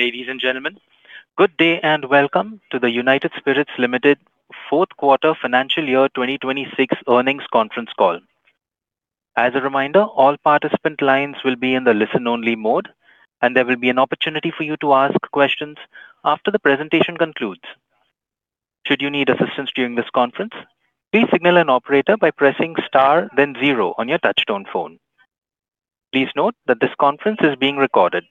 Ladies and gentlemen, good day and welcome to the United Spirits Limited Q4 FY 2026 earnings conference call. As a reminder, all participant lines will be in the listen only mode. There will be an opportunity for you to ask questions after the presentation concludes. Should you need assistance during this conference, please signal an operator by pressing star then zero on your touchtone phone. Please note that this conference is being recorded.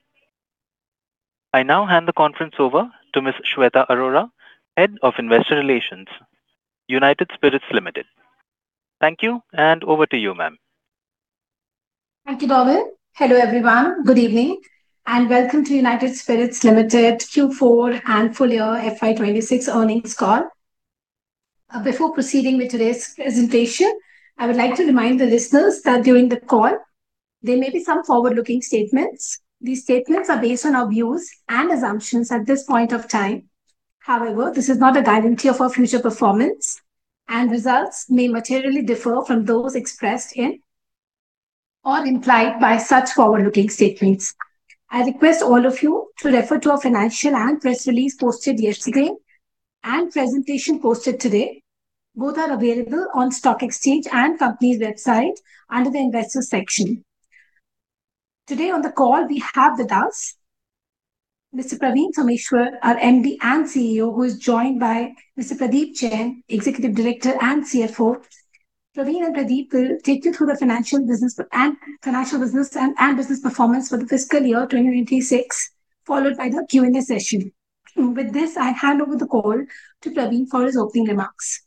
I now hand the conference over to Ms. Shweta Arora, Head of Investor Relations, United Spirits Limited. Thank you. Over to you, ma'am. Thank you, Gavin. Hello, everyone. Good evening and welcome to United Spirits Limited Q4 and full year FY 2026 earnings call. Before proceeding with today's presentation, I would like to remind the listeners that during the call there may be some forward-looking statements. These statements are based on our views and assumptions at this point of time. However, this is not a guarantee of our future performance, and results may materially differ from those expressed in or implied by such forward-looking statements. I request all of you to refer to our financial and press release posted yesterday and presentation posted today. Both are available on stock exchange and company's website under the investor section. Today on the call we have with us Mr. Praveen Someshwar, our MD and CEO, who is joined by Mr. Pradeep Jain, Executive Director and CFO. Praveen and Pradeep will take you through the financial business and business performance for the fiscal year 2026, followed by the Q&A session. With this, I hand over the call to Praveen for his opening remarks.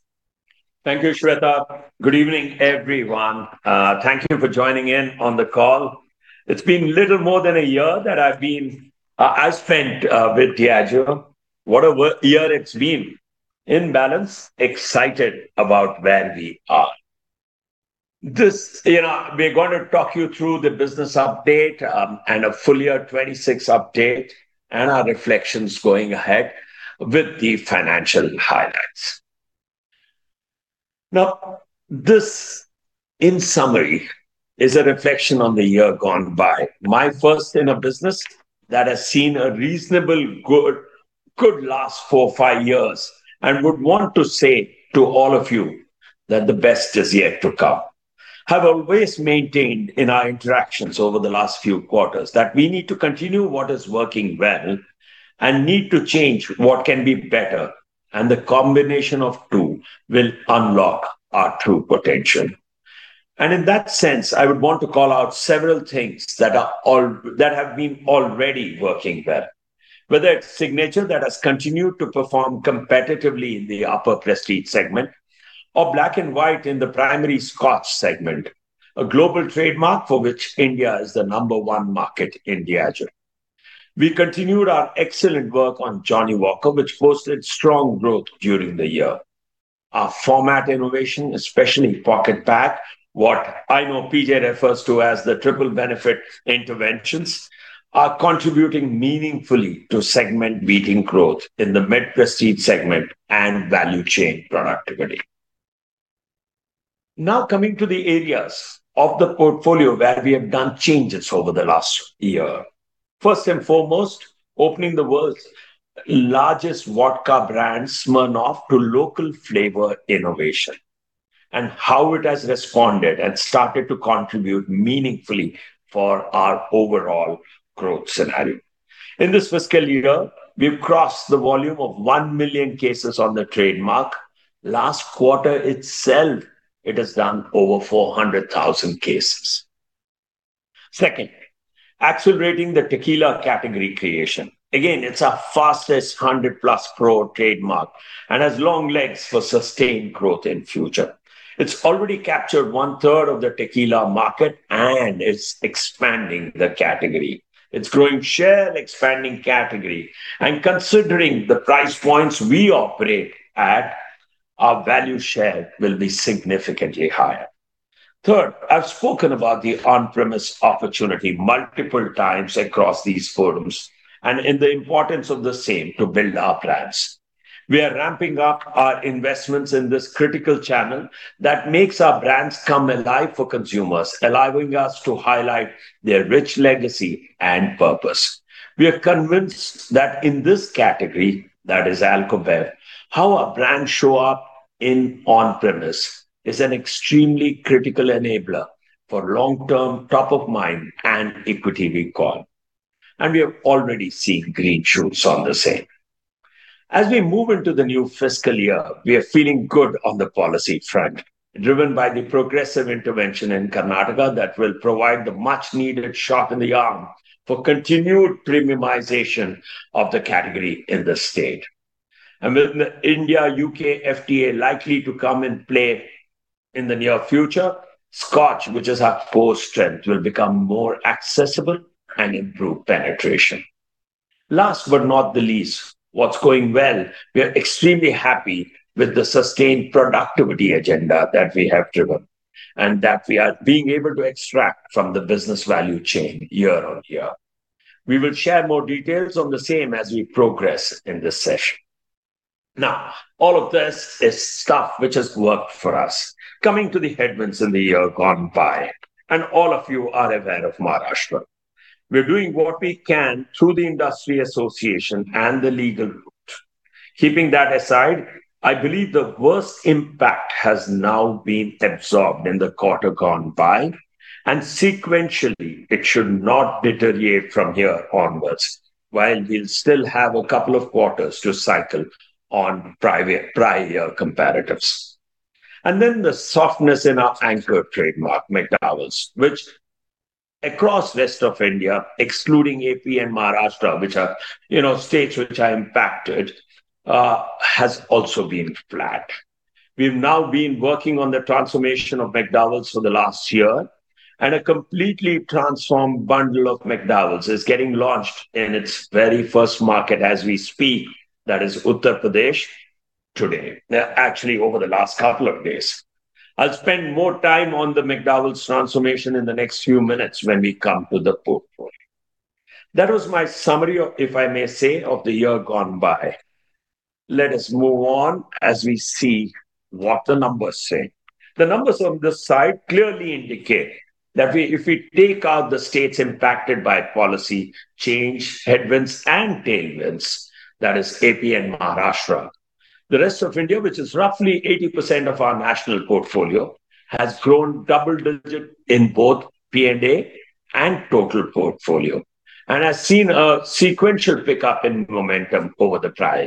Thank you, Shweta. Good evening, everyone. Thank you for joining in on the call. It's been little more than a year that I've spent with Diageo. What a year it's been. In balance, excited about where we are. This, you know, we're gonna talk you through the business update and a full year 2026 update and our reflections going ahead with the financial highlights. Now this, in summary, is a reflection on the year gone by. My first in a business that has seen a reasonable good last four, five years and would want to say to all of you that the best is yet to come. Have always maintained in our interactions over the last few quarters that we need to continue what is working well and need to change what can be better and the combination of two will unlock our true potential. In that sense, I would want to call out several things that have been already working well. Whether it's Signature that has continued to perform competitively in the upper Prestige segment or Black & White in the primary Scotch segment, a global trademark for which India is the number one market in Diageo. We continued our excellent work on Johnnie Walker, which posted strong growth during the year. Our format innovation, especially pocket pack, what I know PJ refers to as the triple benefit interventions, are contributing meaningfully to segment-leading growth in the mid-Prestige segment and value chain productivity. Coming to the areas of the portfolio where we have done changes over the last year. First and foremost, opening the world's largest vodka brand, Smirnoff, to local flavor innovation and how it has responded and started to contribute meaningfully for our overall growth scenario. In this fiscal year, we've crossed the volume of 1 million cases on the trademark. Last quarter itself it has done over 400,000 cases. Second, accelerating the tequila category creation. Again, it's our fastest 100-plus crore trademark and has long legs for sustained growth in future. It's already captured one third of the tequila market and it's expanding the category. It's growing share and expanding category. Considering the price points we operate at, our value share will be significantly higher. I've spoken about the on-premise opportunity multiple times across these forums and in the importance of the same to build our brands. We are ramping up our investments in this critical channel that makes our brands come alive for consumers, allowing us to highlight their rich legacy and purpose. We are convinced that in this category, that is alcohol, how our brands show up in on-premise is an extremely critical enabler for long-term top of mind and equity recall. We have already seen green shoots on the same. As we move into the new fiscal year, we are feeling good on the policy front, driven by the progressive intervention in Karnataka that will provide the much-needed shot in the arm for continued premiumization of the category in the state. With India-UK FTA likely to come in play in the near future, Scotch, which is our core strength, will become more accessible and improve penetration. Last but not the least, what's going well, we are extremely happy with the sustained productivity agenda that we have driven and that we are being able to extract from the business value chain year-on-year. We will share more details on the same as we progress in this session. All of this is stuff which has worked for us coming to the headwinds in the year gone by, and all of you are aware of Maharashtra. We're doing what we can through the industry association and the legal route. Keeping that aside, I believe the worst impact has now been absorbed in the quarter gone by, sequentially it should not deteriorate from here onwards, while we'll still have a couple of quarters to cycle on private prior year comparatives. Then the softness in our anchor trademark, McDowell's, which across rest of India, excluding AP and Maharashtra, which are, you know, states which are impacted, has also been flat. We've now been working on the transformation of McDowell's for the last year, a completely transformed bundle of McDowell's is getting launched in its very first market as we speak. That is Uttar Pradesh today. Actually over the last couple of days. I'll spend more time on the McDowell's transformation in the next few minutes when we come to the portfolio. That was my summary of, if I may say, of the year gone by. Let us move on as we see what the numbers say. The numbers on this side clearly indicate that if we take out the states impacted by policy change, headwinds, and tailwinds, that is AP and Maharashtra, the rest of India, which is roughly 80% of our national portfolio, has grown double-digit in both P&A and total portfolio and has seen a sequential pickup in momentum over the prior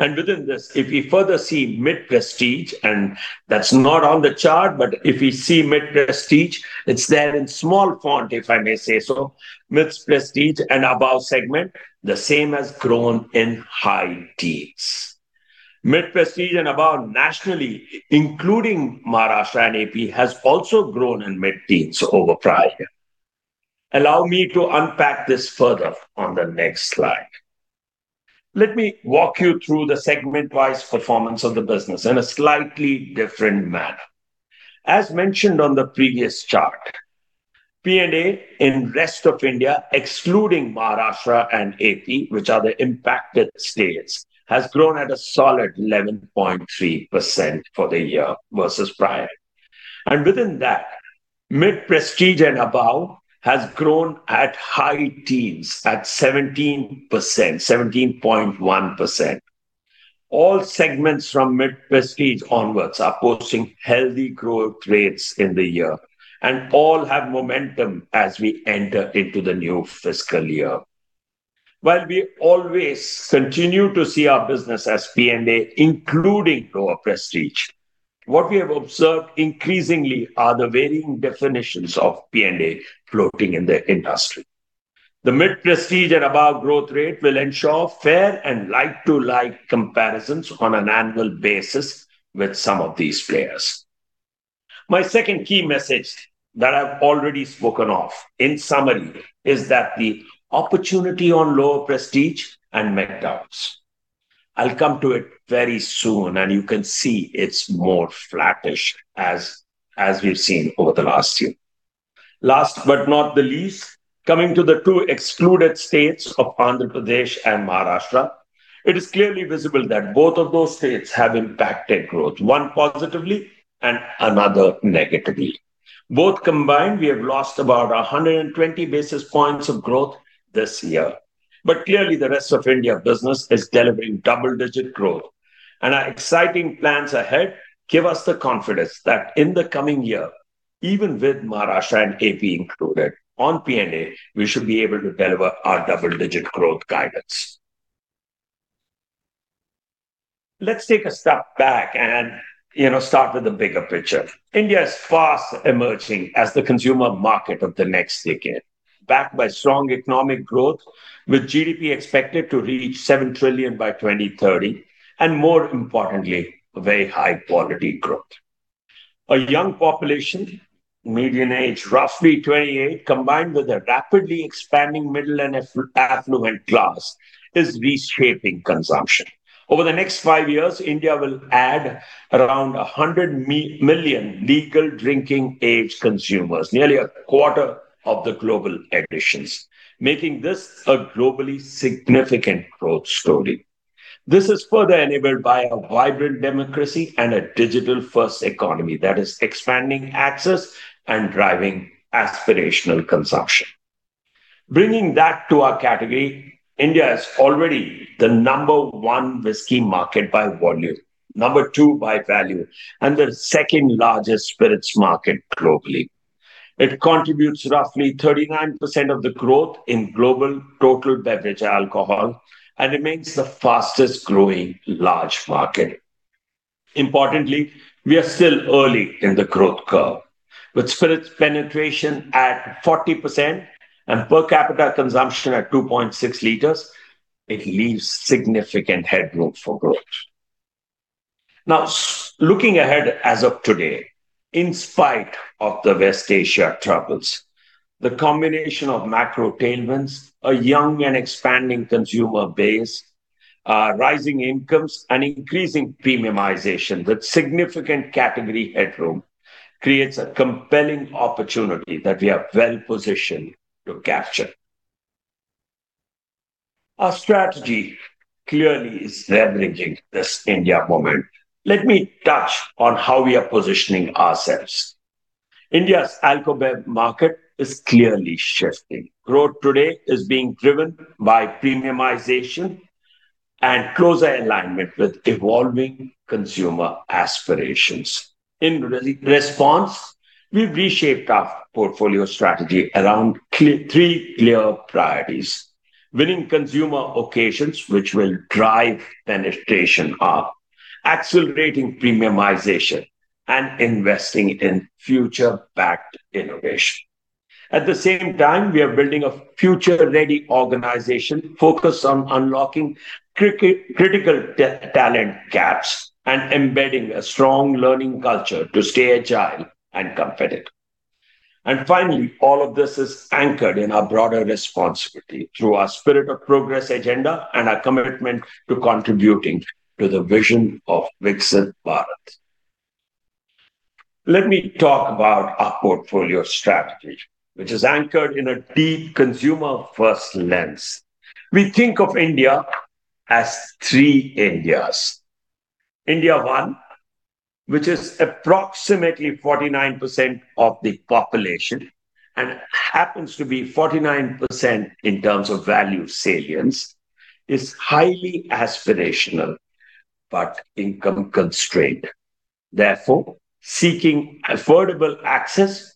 year. Within this, if we further see mid-Prestige, and that's not on the chart, but if we see mid-Prestige, it's there in small font, if I may say so, mid-Prestige and above segment, the same has grown in high teens. Mid-Prestige and above nationally, including Maharashtra and AP, has also grown in mid-teens over prior year. Allow me to unpack this further on the next slide. Let me walk you through the segment-wise performance of the business in a slightly different manner. As mentioned on the previous chart, P&A in rest of India, excluding Maharashtra and AP, which are the impacted states, has grown at a solid 11.3% for the year versus prior. Within that, mid-Prestige and above has grown at high teens at 17%, 17.1%. All segments from mid-Prestige onwards are posting healthy growth rates in the year, and all have momentum as we enter into the new fiscal year. While we always continue to see our business as P&A, including lower Prestige, what we have observed increasingly are the varying definitions of P&A floating in the industry. The mid-Prestige and above growth rate will ensure fair and like-to-like comparisons on an annual basis with some of these players. My second key message that I've already spoken of in summary is that the opportunity on lower Prestige and McDowell's. I'll come to it very soon, and you can see it's more flattish as we've seen over the last year. Last but not the least, coming to the two excluded states of Andhra Pradesh and Maharashtra, it is clearly visible that both of those states have impacted growth, one positively and another negatively. Both combined, we have lost about 120 basis points of growth this year. Clearly, the rest of India business is delivering double-digit growth, and our exciting plans ahead give us the confidence that in the coming year, even with Maharashtra and AP included on P&A, we should be able to deliver our double-digit growth guidance. Let's take a step back and, you know, start with the bigger picture. India is fast emerging as the consumer market of the next decade, backed by strong economic growth, with GDP expected to reach 7 trillion by 2030, and more importantly, very high-quality growth. A young population, median age roughly 28, combined with a rapidly expanding middle and affluent class, is reshaping consumption. Over the next five years, India will add around 100 million legal drinking age consumers, nearly a quarter of the global additions, making this a globally significant growth story. This is further enabled by a vibrant democracy and a digital-first economy that is expanding access and driving aspirational consumption. Bringing that to our category, India is already the number one whisky market by volume, number two by value, and the second-largest spirits market globally. It contributes roughly 39% of the growth in global total beverage alcohol and remains the fastest-growing large market. Importantly, we are still early in the growth curve. With spirits penetration at 40% and per capita consumption at 2.6 L, it leaves significant headroom for growth. Looking ahead as of today, in spite of the West Asia troubles, the combination of macro tailwinds, a young and expanding consumer base, rising incomes, and increasing premiumization with significant category headroom creates a compelling opportunity that we are well-positioned to capture. Our strategy clearly is leveraging this India moment. Let me touch on how we are positioning ourselves. India's alcohol market is clearly shifting. Growth today is being driven by premiumization and closer alignment with evolving consumer aspirations. In response, we've reshaped our portfolio strategy around three clear priorities: winning consumer occasions which will drive penetration up, accelerating premiumization, and investing in future-packed innovation. At the same time, we are building a future-ready organization focused on unlocking critical talent gaps and embedding a strong learning culture to stay agile and competitive. Finally, all of this is anchored in our broader responsibility through our Spirit of Progress agenda and our commitment to contributing to the vision of Viksit Bharat. Let me talk about our portfolio strategy, which is anchored in a deep consumer-first lens. We think of India as 3 Indias. India 1, which is approximately 49% of the population and happens to be 49% in terms of value salience, is highly aspirational but income-constrained, therefore seeking affordable access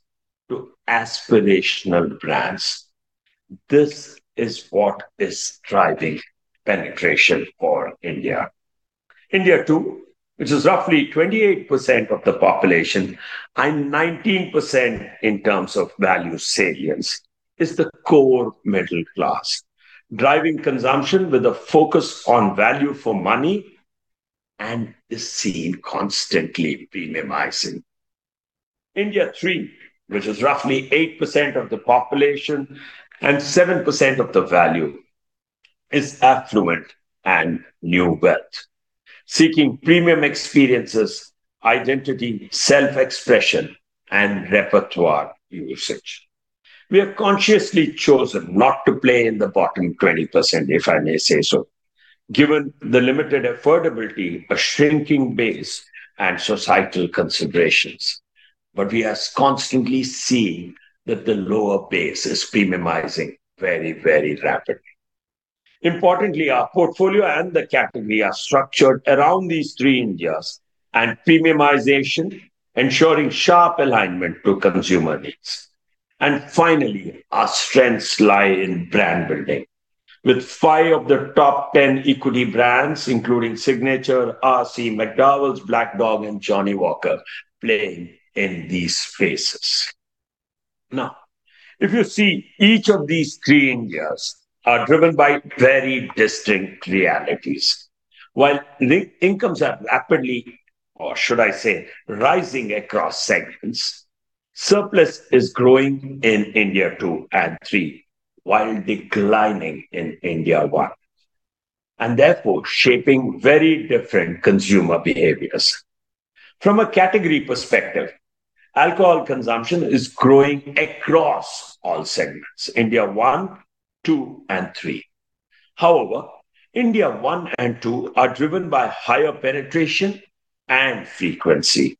to aspirational brands. This is what is driving penetration for India. India 2, which is roughly 28% of the population and 19% in terms of value salience, is the core middle class, driving consumption with a focus on value for money and is seen constantly premiumizing. India 3, which is roughly 8% of the population and 7% of the value, is affluent and new wealth, seeking premium experiences, identity, self-expression, and repertoire usage. We have consciously chosen not to play in the bottom 20%, if I may say so, given the limited affordability, a shrinking base, and societal considerations. We are constantly seeing that the lower base is premiumizing very, very rapidly. Importantly, our portfolio and the category are structured around these three Indias and premiumization, ensuring sharp alignment to consumer needs. Finally, our strengths lie in brand building, with five of the top 10 equity brands, including Signature, RC McDowell's, Black Dog, and Johnnie Walker playing in these spaces. If you see each of these three Indias are driven by very distinct realities. While incomes are rapidly, or should I say, rising across segments, surplus is growing in India 2 and 3 while declining in India 1, therefore shaping very different consumer behaviors. From a category perspective, alcohol consumption is growing across all segments, India 1, 2, and 3. However, India 1 and 2 are driven by higher penetration and frequency.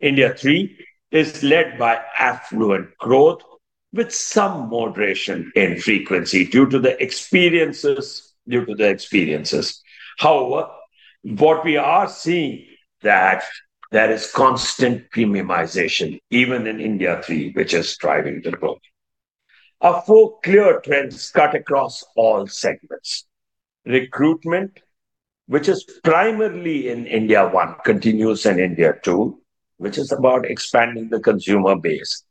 India 3 is led by affluent growth with some moderation in frequency due to the experiences. However, what we are seeing that there is constant premiumization even in India 3, which is driving the growth. Our four clear trends cut across all segments. Recruitment, which is primarily in India 1, continues in India 2, which is about expanding the consumer base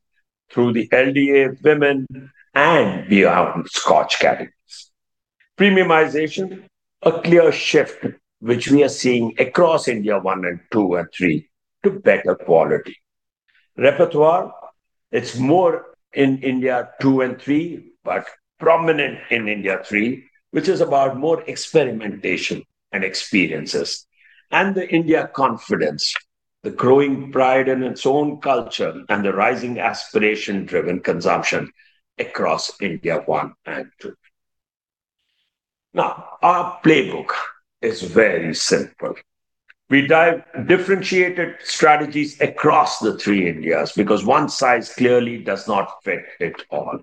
through the LDA women and beyond scotch categories. Premiumization, a clear shift which we are seeing across India 1 and 2 and 3 to better quality. Repertoire, it's more in India 2 and 3, but prominent in India 3, which is about more experimentation and experiences. The India confidence, the growing pride in its own culture and the rising aspiration-driven consumption across India 1 and 2. Our playbook is very simple. We dive differentiated strategies across the three Indias because one size clearly does not fit it all.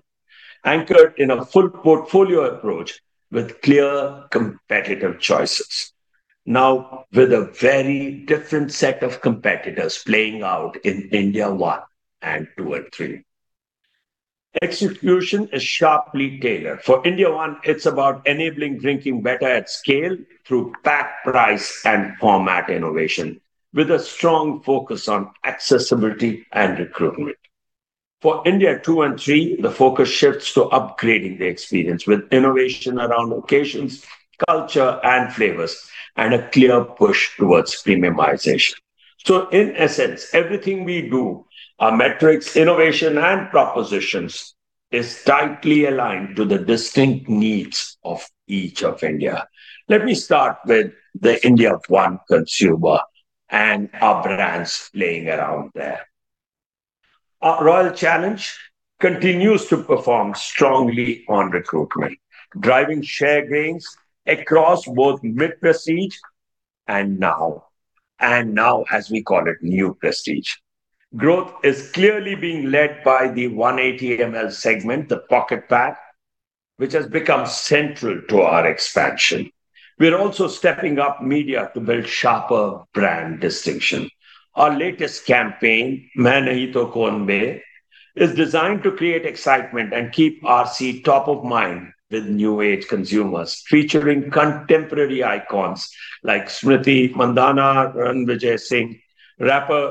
Anchored in a full portfolio approach with clear competitive choices. With a very different set of competitors playing out in India 1 and 2 and 3. Execution is sharply tailored. For India 1, it's about enabling drinking better at scale through pack price and format innovation, with a strong focus on accessibility and recruitment. For India 2 and Three, the focus shifts to upgrading the experience with innovation around occasions, culture, and flavors, and a clear push towards premiumization. In essence, everything we do, our metrics, innovation, and propositions, is tightly aligned to the distinct needs of each of India. Let me start with the India 1 consumer and our brands playing around there. Our Royal Challenge continues to perform strongly on recruitment, driving share gains across both mid-Prestige and now as we call it new Prestige. Growth is clearly being led by the 180 ml segment, the pocket pack, which has become central to our expansion. We're also stepping up media to build sharper brand distinction. Our latest campaign, Main Nahi Toh Kaun Be, is designed to create excitement and keep RC top of mind with new age consumers, featuring contemporary icons like Smriti Mandhana, Rannvijay Singha, rapper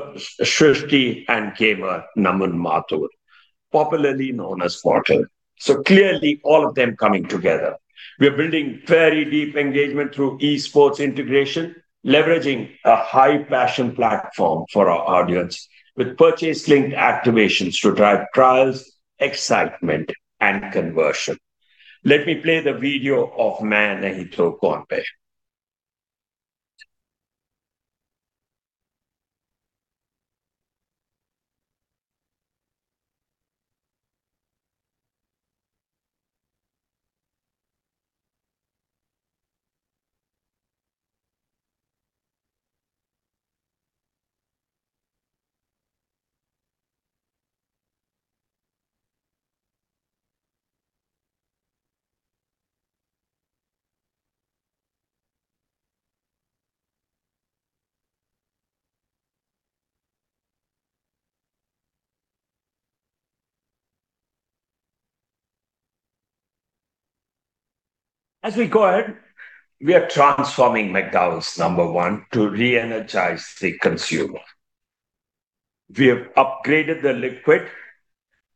Srushti, and gamer Naman Mathur, popularly known as Mortal. Clearly all of them coming together. We are building very deep engagement through eSports integration, leveraging a high passion platform for our audience with purchase-linked activations to drive trials, excitement, and conversion. Let me play the video of Main Nahi Toh Kaun Be. As we go ahead, we are transforming McDowell's No.1 to re-energize the consumer. We have upgraded the liquid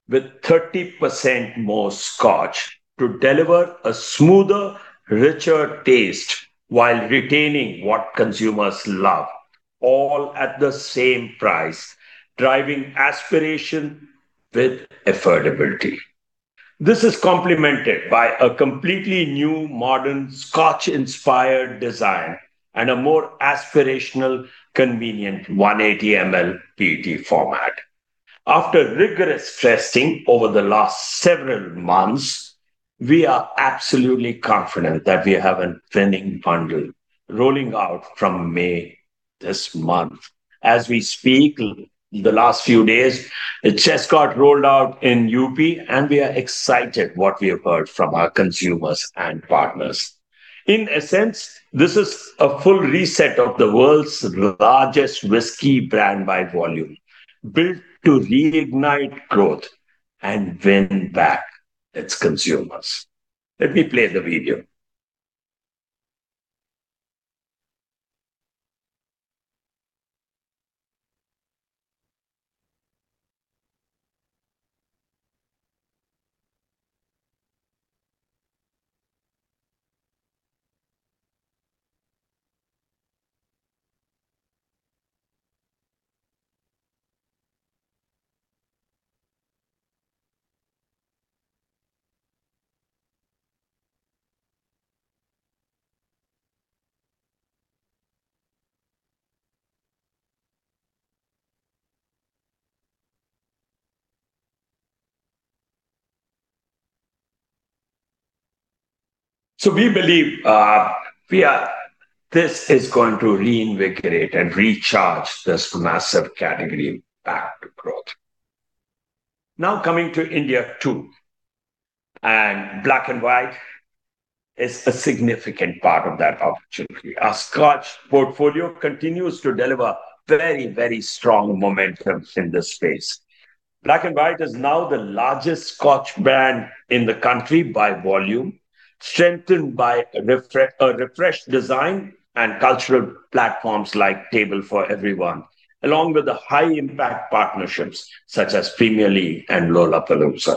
with 30% more scotch to deliver a smoother, richer taste while retaining what consumers love, all at the same price, driving aspiration with affordability. This is complemented by a completely new modern scotch-inspired design and a more aspirational, convenient 180 ml PET format. After rigorous testing over the last several months, we are absolutely confident that we have a winning bundle rolling out from May this month. As we speak, the last few days, it just got rolled out in UP, and we are excited what we have heard from our consumers and partners. In essence, this is a full reset of the world's largest whisky brand by volume, built to reignite growth and win back its consumers. Let me play the video. We believe this is going to reinvigorate and recharge this massive category back to growth. Now coming to India 2, and Black & White is a significant part of that opportunity. Our Scotch portfolio continues to deliver very strong momentum in this space. Black & White is now the largest Scotch brand in the country by volume, strengthened by a refreshed design and cultural platforms like Table for Everyone, along with the high impact partnerships such as Premier League and Lollapalooza.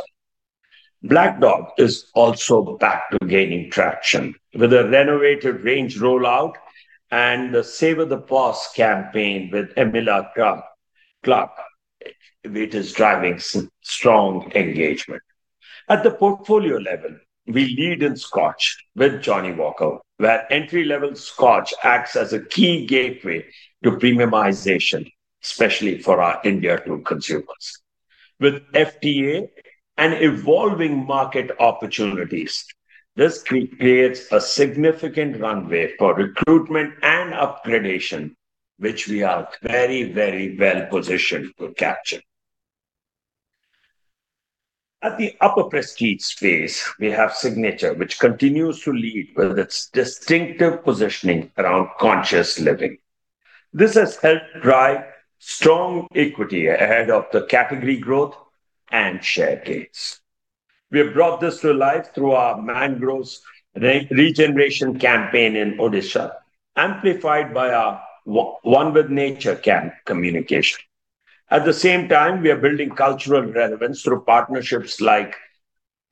Black Dog is also back to gaining traction with a renovated range rollout and the Savour the Pause campaign with Emilia Clarke, which is driving strong engagement. At the portfolio level, we lead in Scotch with Johnnie Walker, where entry-level Scotch acts as a key gateway to premiumization, especially for our India 2 consumers. With FTA and evolving market opportunities, this creates a significant runway for recruitment and upgradation, which we are very, very well positioned to capture. At the upper Prestige space, we have Signature, which continues to lead with its distinctive positioning around conscious living. This has helped drive strong equity ahead of the category growth and share gains. We have brought this to life through our Mangroves re-regeneration campaign in Odisha, amplified by our One With Nature communication. At the same time, we are building cultural relevance through partnerships like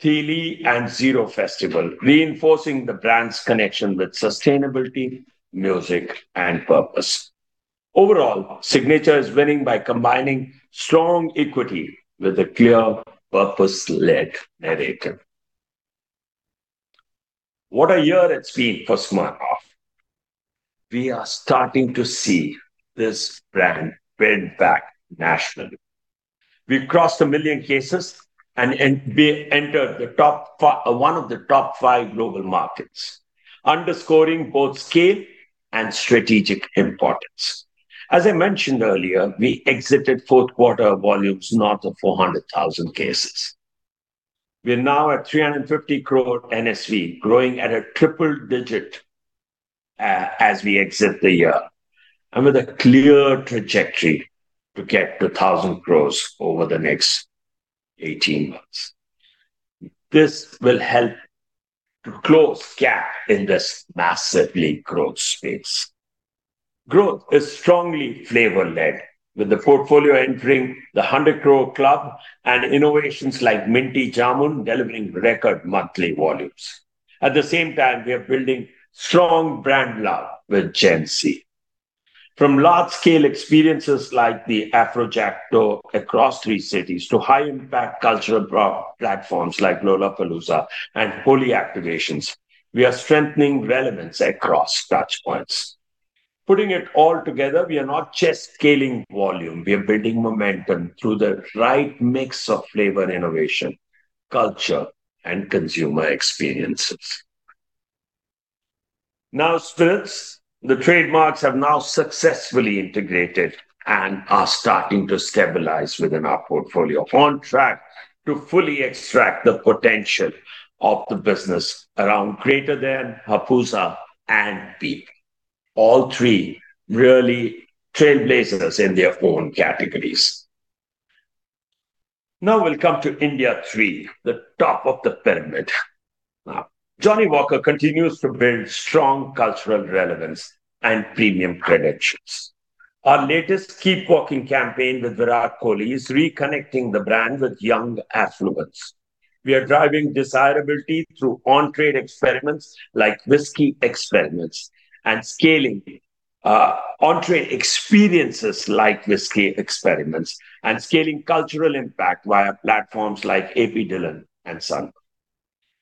[Thilly] and Ziro Festival of Music, reinforcing the brand's connection with sustainability, music and purpose. Overall, Signature is winning by combining strong equity with a clear purpose-led narrative. What a year it's been for Smirnoff. We are starting to see this brand build back nationally. We've crossed 1 million cases and we entered one of the top five global markets, underscoring both scale and strategic importance. As I mentioned earlier, we exited Q4 volumes north of 400,000 cases. We're now at 350 crore NSV, growing at a triple digit, as we exit the year and with a clear trajectory to get to 1,000 crores over the next 18 months. This will help to close gap in this massively growth space. Growth is strongly flavor-led, with the portfolio entering the 100 crore club and innovations like Minty Jamun delivering record monthly volumes. At the same time, we are building strong brand love with Gen Z. From large scale experiences like the Afrojack tour across three cities to high impact cultural pro- platforms like Lollapalooza and Holi activations, we are strengthening relevance across touch points. Putting it all together, we are not just scaling volume, we are building momentum through the right mix of flavor and innovation, culture, and consumer experiences. Now, spirits. The trademarks have now successfully integrated and are starting to stabilize within our portfolio, on track to fully extract the potential of the business around Greater Than, Hapusa and Beak. All three really trailblazers in their own categories. We'll come to India 3, the top of the pyramid. Johnnie Walker continues to build strong cultural relevance and premium credentials. Our latest Keep Walking campaign with Virat Kohli is reconnecting the brand with young affluents. We are driving desirability through on-trade experiences like Whiskey Experiments and scaling cultural impact via platforms like AP Dhillon and Sunburn Festival.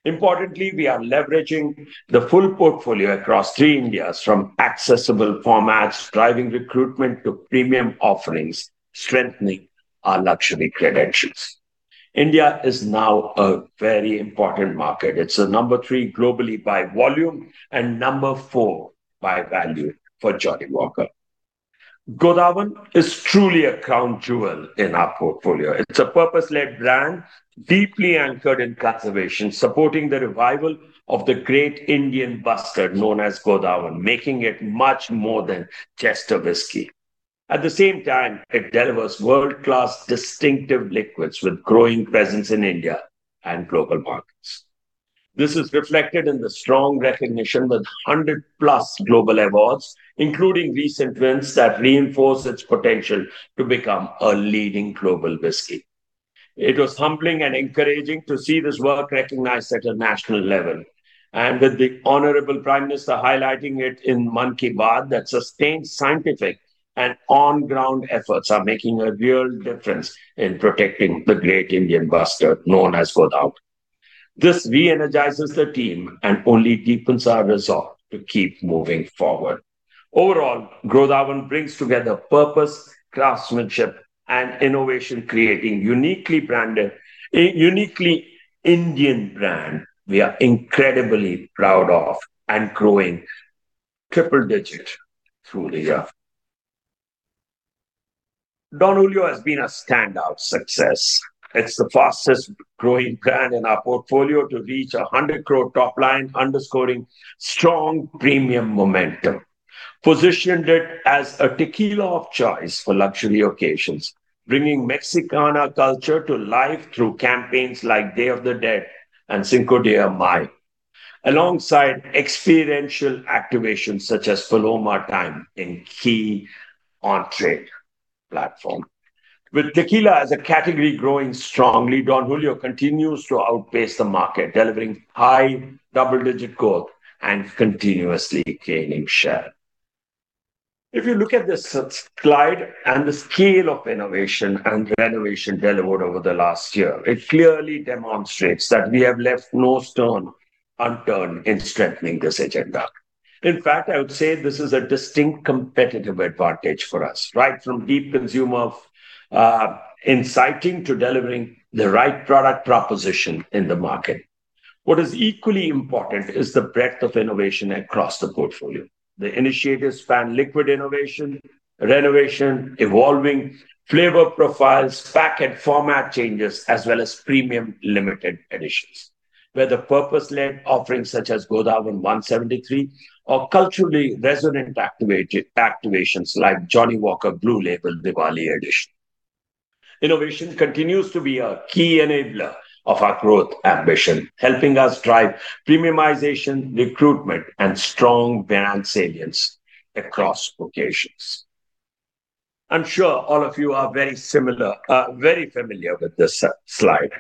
Importantly, we are leveraging the full portfolio across 3 Indias from accessible formats, driving recruitment to premium offerings, strengthening our luxury credentials. India is now a very important market. It's the number 3 globally by volume and number 4 by value for Johnnie Walker. Godawan is truly a crown jewel in our portfolio. It's a purpose-led brand, deeply anchored in conservation, supporting the revival of the great Indian bustard known as Godawan, making it much more than just a whisky. At the same time, it delivers world-class distinctive liquids with growing presence in India and global markets. This is reflected in the strong recognition with 100-plus global awards, including recent wins that reinforce its potential to become a leading global whisky. It was humbling and encouraging to see this work recognized at a national level, and with the honorable Prime Minister highlighting it in Mann Ki Baat that sustained scientific and on-ground efforts are making a real difference in protecting the great Indian bustard known as Godawan. This re-energizes the team and only deepens our resolve to keep moving forward. Overall, Godawan brings together purpose, craftsmanship, and innovation, creating uniquely branded a uniquely Indian brand we are incredibly proud of and growing triple-digit through the year. Don Julio has been a standout success. It's the fastest-growing brand in our portfolio to reach 100 crore top line underscoring strong premium momentum. We positioned it as a tequila of choice for luxury occasions, bringing Mexicana culture to life through campaigns like Day of the Dead and Cinco de Mayo, alongside experiential activations such as Paloma Time in key on-trade platform. With tequila as a category growing strongly, Don Julio continues to outpace the market, delivering high double-digit growth and continuously gaining share. If you look at this slide and the scale of innovation and renovation delivered over the last year, it clearly demonstrates that we have left no stone unturned in strengthening this agenda. In fact, I would say this is a distinct competitive advantage for us, right from deep consumer insighting to delivering the right product proposition in the market. What is equally important is the breadth of innovation across the portfolio. The initiatives span liquid innovation, renovation, evolving flavor profiles, pack and format changes, as well as premium limited editions. Whether purpose-led offerings such as Godawan 173 or culturally resonant activations like Johnnie Walker Blue Label Diwali Edition. Innovation continues to be a key enabler of our growth ambition, helping us drive premiumization, recruitment, and strong brand salience across occasions. I'm sure all of you are very similar, very familiar with this slide.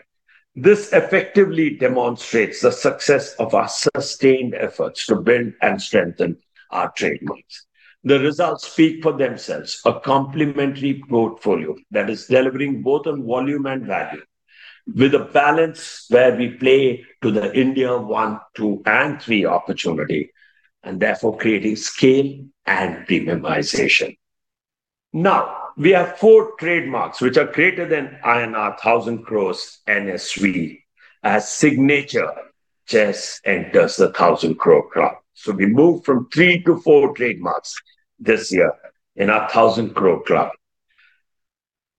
This effectively demonstrates the success of our sustained efforts to build and strengthen our trademarks. The results speak for themselves. A complementary portfolio that is delivering both on volume and value. With a balance where we play to the India 1, 2, and 3 opportunity, and therefore creating scale and premiumization. We have four trademarks which are greater than INR 1,000 crores NSV as Signature just enters the 1,000 crore club. We move from three to four trademarks this year in our 1,000 crore club.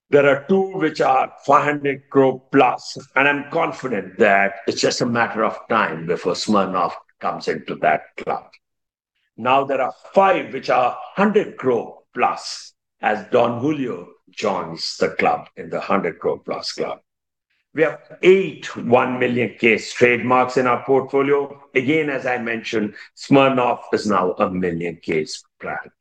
There are two which are 500 crore plus, and I'm confident that it's just a matter of time before Smirnoff comes into that club. There are five which are 100 crore plus as Don Julio joins the club in the 100 crore plus club. We have eight 1 million case trademarks in our portfolio. As I mentioned, Smirnoff is now a million case brand.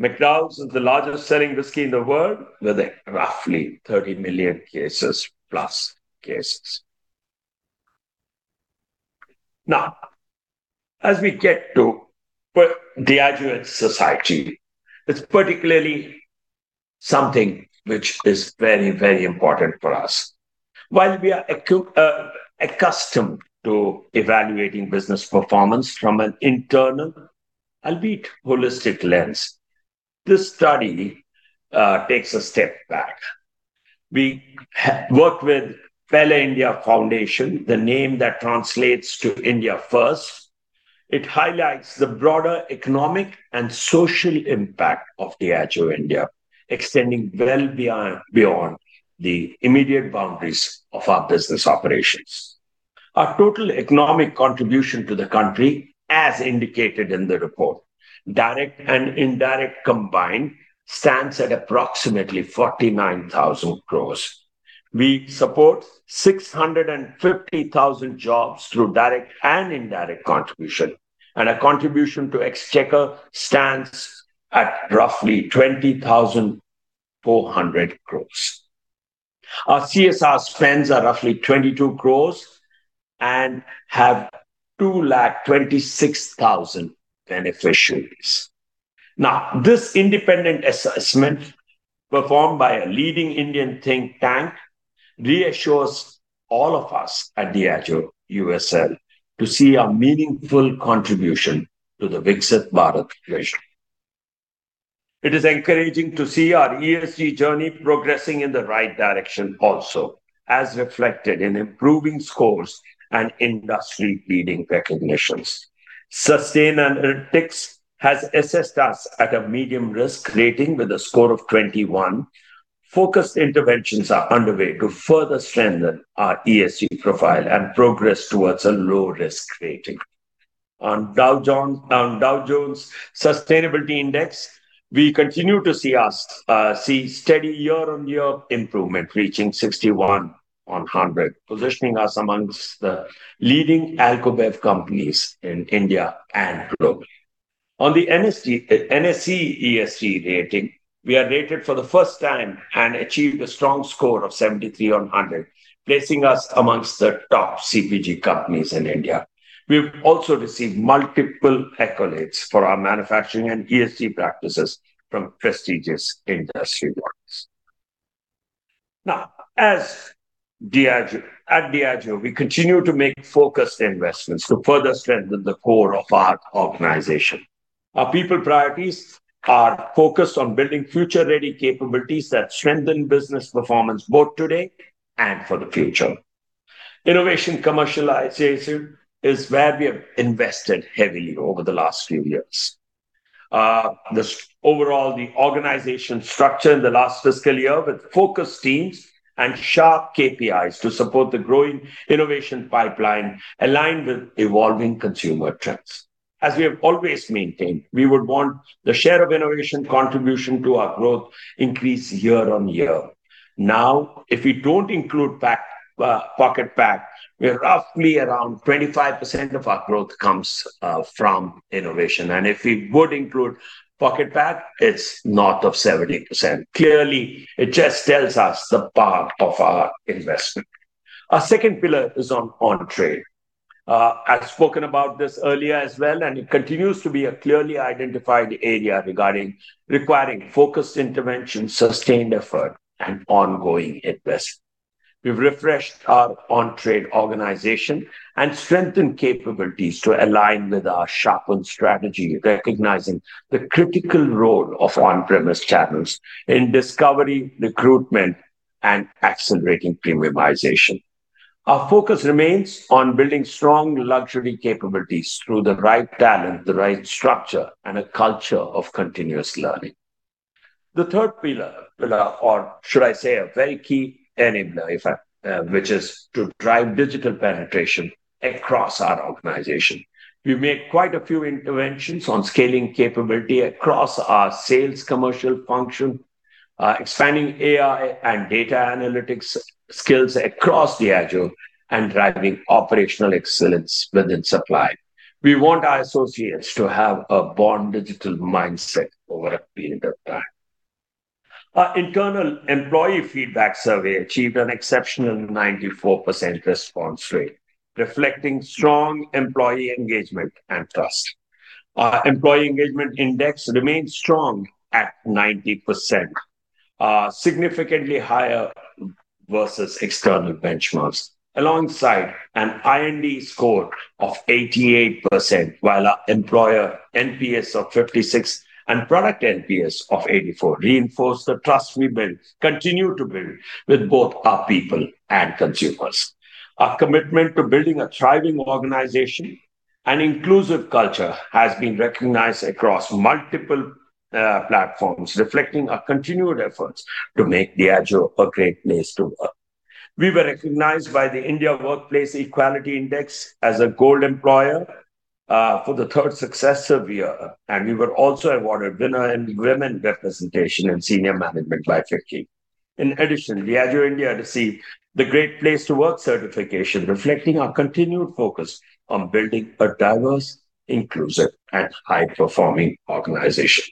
McDowell's is the largest-selling whiskey in the world with a roughly 30 million cases plus cases. As we get to Diageo in society, it's particularly something which is very, very important for us. While we are accustomed to evaluating business performance from an internal, albeit holistic lens, this study takes a step back. We worked with Pehle India Foundation, the name that translates to India first. It highlights the broader economic and social impact of Diageo India, extending well beyond the immediate boundaries of our business operations. Our total economic contribution to the country, as indicated in the report, direct and indirect combined, stands at approximately 49,000 crores. We support 650,000 jobs through direct and indirect contribution, and our contribution to Exchequer stands at roughly 20,400 crores. Our CSR spends are roughly 22 crores and have 226,000 beneficiaries. This independent assessment performed by a leading Indian think tank reassures all of us at Diageo, USL to see a meaningful contribution to the Viksit Bharat vision. It is encouraging to see our ESG journey progressing in the right direction also, as reflected in improving scores and industry-leading recognitions. Sustainalytics has assessed us at a medium risk rating with a score of 21. Focused interventions are underway to further strengthen our ESG profile and progress towards a low-risk rating. On Dow Jones Sustainability Index, we continue to see steady year-on-year improvement, reaching 61 on 100, positioning us amongst the leading alcobev companies in India and globally. On the NSE ESG rating, we are rated for the first time and achieved a strong score of 73 on 100, placing us amongst the top CPG companies in India. We've also received multiple accolades for our manufacturing and ESG practices from prestigious industry bodies. As Diageo, we continue to make focused investments to further strengthen the core of our organization. Our people priorities are focused on building future-ready capabilities that strengthen business performance both today and for the future. Innovation commercialization is where we have invested heavily over the last few years. This overall, the organization structure in the last fiscal year with focused teams and sharp KPIs to support the growing innovation pipeline aligned with evolving consumer trends. As we have always maintained, we would want the share of innovation contribution to our growth increase year on year. If we don't include pocket pack, we are roughly around 25% of our growth comes from innovation, and if we would include pocket pack, it's north of 70%. Clearly, it just tells us the power of our investment. Our second pillar is on on-trade. I've spoken about this earlier as well, and it continues to be a clearly identified area regarding requiring focused intervention, sustained effort, and ongoing investment. We've refreshed our on-trade organization and strengthened capabilities to align with our sharpened strategy, recognizing the critical role of on-premise channels in discovery, recruitment, and accelerating premiumization. Our focus remains on building strong luxury capabilities through the right talent, the right structure, and a culture of continuous learning. The third pillar, or should I say a very key enabler, if I, which is to drive digital penetration across our organization. We made quite a few interventions on scaling capability across our sales commercial function, expanding AI and data analytics skills across Diageo and driving operational excellence within supply. We want our associates to have a born digital mindset over a period of time. Our internal employee feedback survey achieved an exceptional 94% response rate, reflecting strong employee engagement and trust. Our employee engagement index remains strong at 90%, significantly higher versus external benchmarks. Alongside an I&D score of 88%, while our employer NPS of 56 and product NPS of 84 reinforce the trust we build, continue to build with both our people and consumers. Our commitment to building a thriving organization and inclusive culture has been recognized across multiple platforms, reflecting our continued efforts to make Diageo a Great Place to Work. We were recognized by the India Workplace Equality Index as a gold employer for the third successive year, and we were also awarded winner in women representation in senior management by 50%. In addition, Diageo India received the Great Place to Work certification, reflecting our continued focus on building a diverse, inclusive and high-performing organization.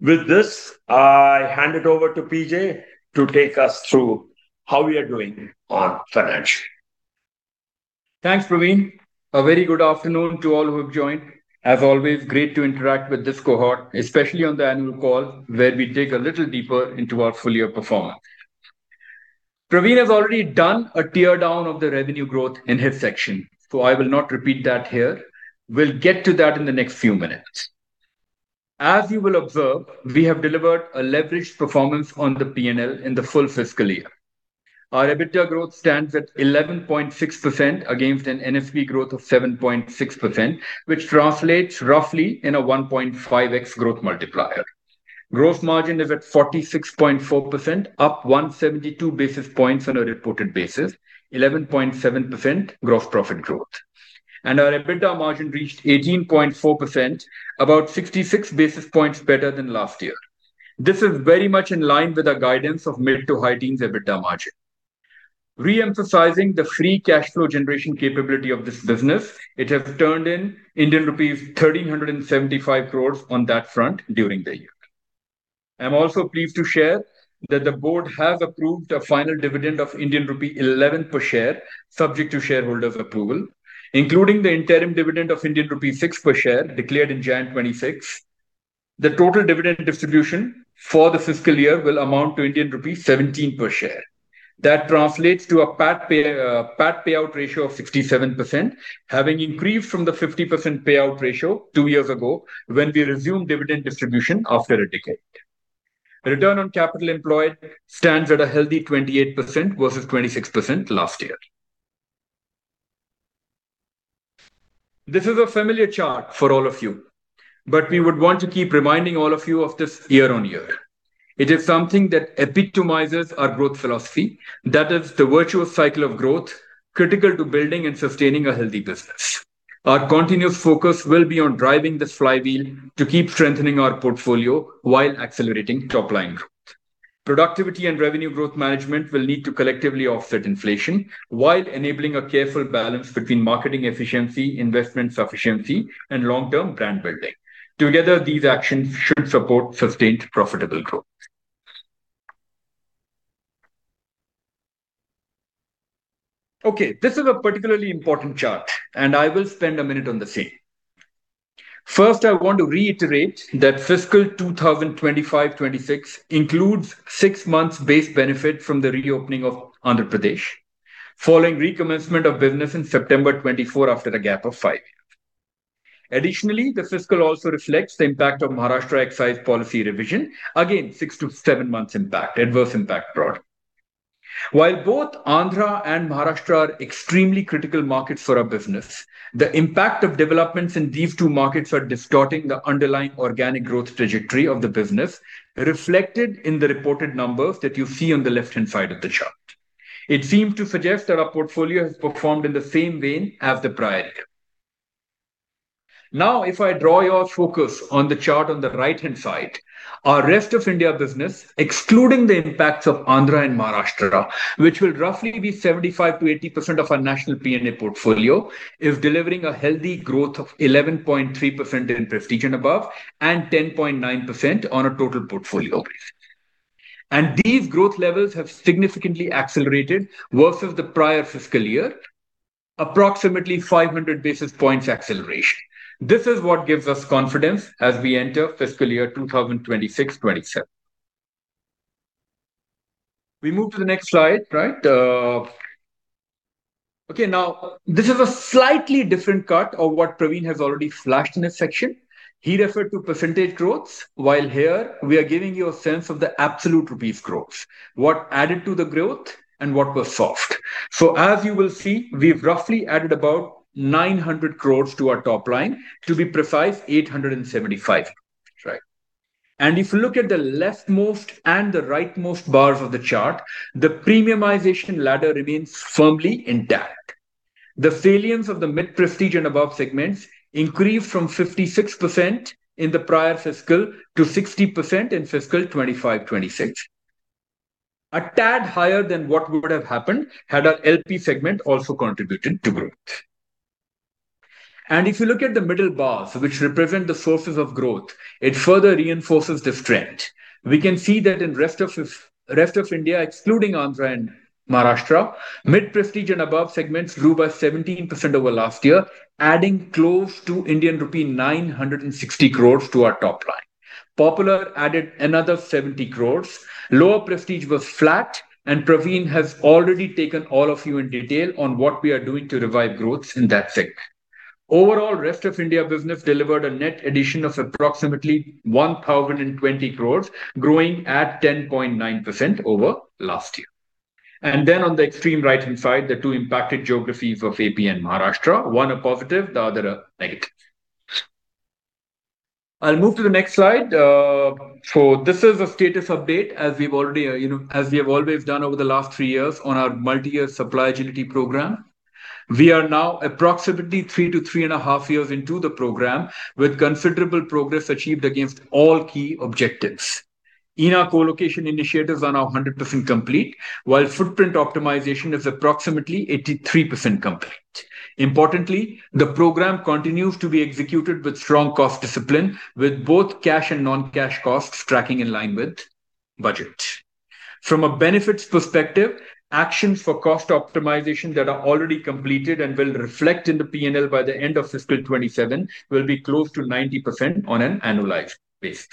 With this, I hand it over to PJ to take us through how we are doing on financial. Thanks, Praveen. A very good afternoon to all who have joined. As always, great to interact with this cohort, especially on the annual call, where we dig a little deeper into our full year performance. Praveen has already done a teardown of the revenue growth in his section. I will not repeat that here. We will get to that in the next few minutes. As you will observe, we have delivered a leveraged performance on the P&L in the full fiscal year. Our EBITDA growth stands at 11.6% against an NSV growth of 7.6%, which translates roughly in a 1.5x growth multiplier. Gross margin is at 46.4%, up 172 basis points on a reported basis, 11.7% gross profit growth. Our EBITDA margin reached 18.4%, about 66 basis points better than last year. This is very much in line with our guidance of mid to high teens EBITDA margin. Re-emphasizing the free cash flow generation capability of this business, it has turned in Indian rupees 1,375 crores on that front during the year. I'm also pleased to share that the board has approved a final dividend of Indian rupee 11 per share, subject to shareholder approval, including the interim dividend of Indian rupee 6 per share declared in January 26th. The total dividend distribution for the fiscal year will amount to Indian rupees 17 per share. That translates to a pat payout ratio of 67%, having increased from the 50% payout ratio two years ago when we resumed dividend distribution after a decade. Return on capital employed stands at a healthy 28% versus 26% last year. This is a familiar chart for all of you, but we would want to keep reminding all of you of this year-on-year. It is something that epitomizes our growth philosophy, that is the virtuous cycle of growth critical to building and sustaining a healthy business. Our continuous focus will be on driving this flywheel to keep strengthening our portfolio while accelerating top-line growth. Productivity and revenue growth management will need to collectively offset inflation while enabling a careful balance between marketing efficiency, investment sufficiency, and long-term brand building. Together, these actions should support sustained profitable growth. Okay, this is a particularly important chart, and I will spend one minute on the same. First, I want to reiterate that fiscal 2025/2026 includes six months base benefit from the reopening of Andhra Pradesh following recommencement of business in September 2024 after a gap of five. The fiscal also reflects the impact of Maharashtra excise policy revision. Six to seven months impact, adverse impact brought. Both Andhra and Maharashtra are extremely critical markets for our business, the impact of developments in these two markets are distorting the underlying organic growth trajectory of the business, reflected in the reported numbers that you see on the left-hand side of the chart. It seemed to suggest that our portfolio has performed in the same vein as the prior year. Now, if I draw your focus on the chart on the right-hand side, our rest of India business, excluding the impacts of Andhra and Maharashtra, which will roughly be 75%-80% of our national P&A portfolio, is delivering a healthy growth of 11.3% in Prestige and above, and 10.9% on a total portfolio. These growth levels have significantly accelerated versus the prior fiscal year, approximately 500 basis points acceleration. This is what gives us confidence as we enter fiscal year 2026/2027. We move to the next slide, right? Okay, now this is a slightly different cut of what Praveen has already flashed in his section. He referred to percentage growths, while here we are giving you a sense of the absolute rupees growth, what added to the growth and what was soft. As you will see, we've roughly added about 900 crores to our top line to be precise, 875. Right. If you look at the leftmost and the rightmost bars of the chart, the premiumization ladder remains firmly intact. The salience of the mid-Prestige and Above segments increased from 56% in the prior fiscal to 60% in fiscal 2025/2026. A tad higher than what would have happened had our LP segment also contributed to growth. If you look at the middle bars, which represent the sources of growth, it further reinforces the strength. We can see that in rest of India, excluding Andhra and Maharashtra, mid-Prestige and Above segments grew by 17% over last year, adding close to Indian rupee 960 crores to our top line. Popular added another 70 crores. Lower Prestige was flat. Praveen has already taken all of you in detail on what we are doing to revive growth in that segment. Overall, rest of India business delivered a net addition of approximately 1,020 crores, growing at 10.9% over last year. On the extreme right-hand side, the two impacted geographies of A.P. and Maharashtra, one a positive, the other a negative. I'll move to the next slide. This is a status update, as we've already, you know, as we have always done over the last three years on our multi-year supply agility programme. We are now approximately three to three and a half years into the program, with considerable progress achieved against all key objectives. ENA co-location initiatives are now 100% complete, while footprint optimization is approximately 83% complete. Importantly, the program continues to be executed with strong cost discipline, with both cash and non-cash costs tracking in line with budget. From a benefits perspective, actions for cost optimization that are already completed and will reflect in the P&L by the end of fiscal 2027 will be close to 90% on an annualized basis.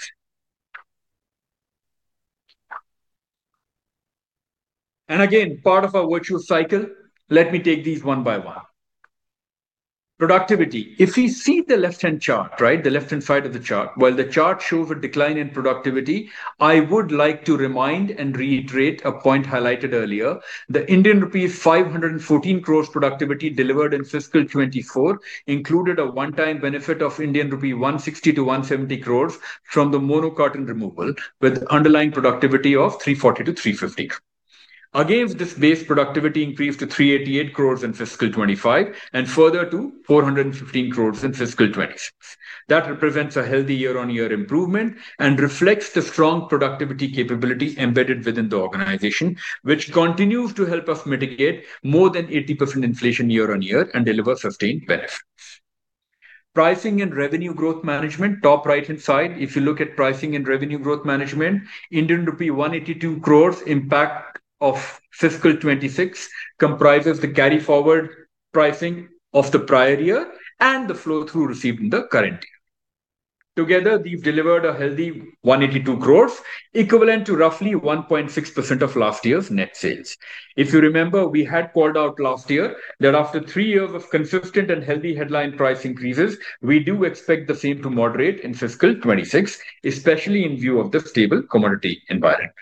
Again, part of our virtual cycle, let me take these one by one. Productivity. If we see the left-hand chart, right, the left-hand side of the chart. While the chart shows a decline in productivity, I would like to remind and reiterate a point highlighted earlier. The Indian rupees 514 crores productivity delivered in fiscal 2024 included a one-time benefit of Indian rupee 160-170 crores from the mono carton removal, with underlying productivity of 340-350. Against this base productivity increase to 388 crores in fiscal 2025 and further to 415 crores in fiscal 2026. That represents a healthy year-on-year improvement and reflects the strong productivity capabilities embedded within the organization, which continues to help us mitigate more than 80% inflation year-on-year and deliver sustained benefits. Pricing and revenue growth management, top right-hand side. If you look at pricing and revenue growth management, Indian rupee 182 crores impact of fiscal 2026 comprises the carry-forward pricing of the prior year and the flow-through received in the current year. Together, we've delivered a healthy 182 crores, equivalent to roughly 1.6% of last year's net sales. If you remember, we had called out last year that after three years of consistent and healthy headline price increases, we do expect the same to moderate in fiscal 2026, especially in view of the stable commodity environment.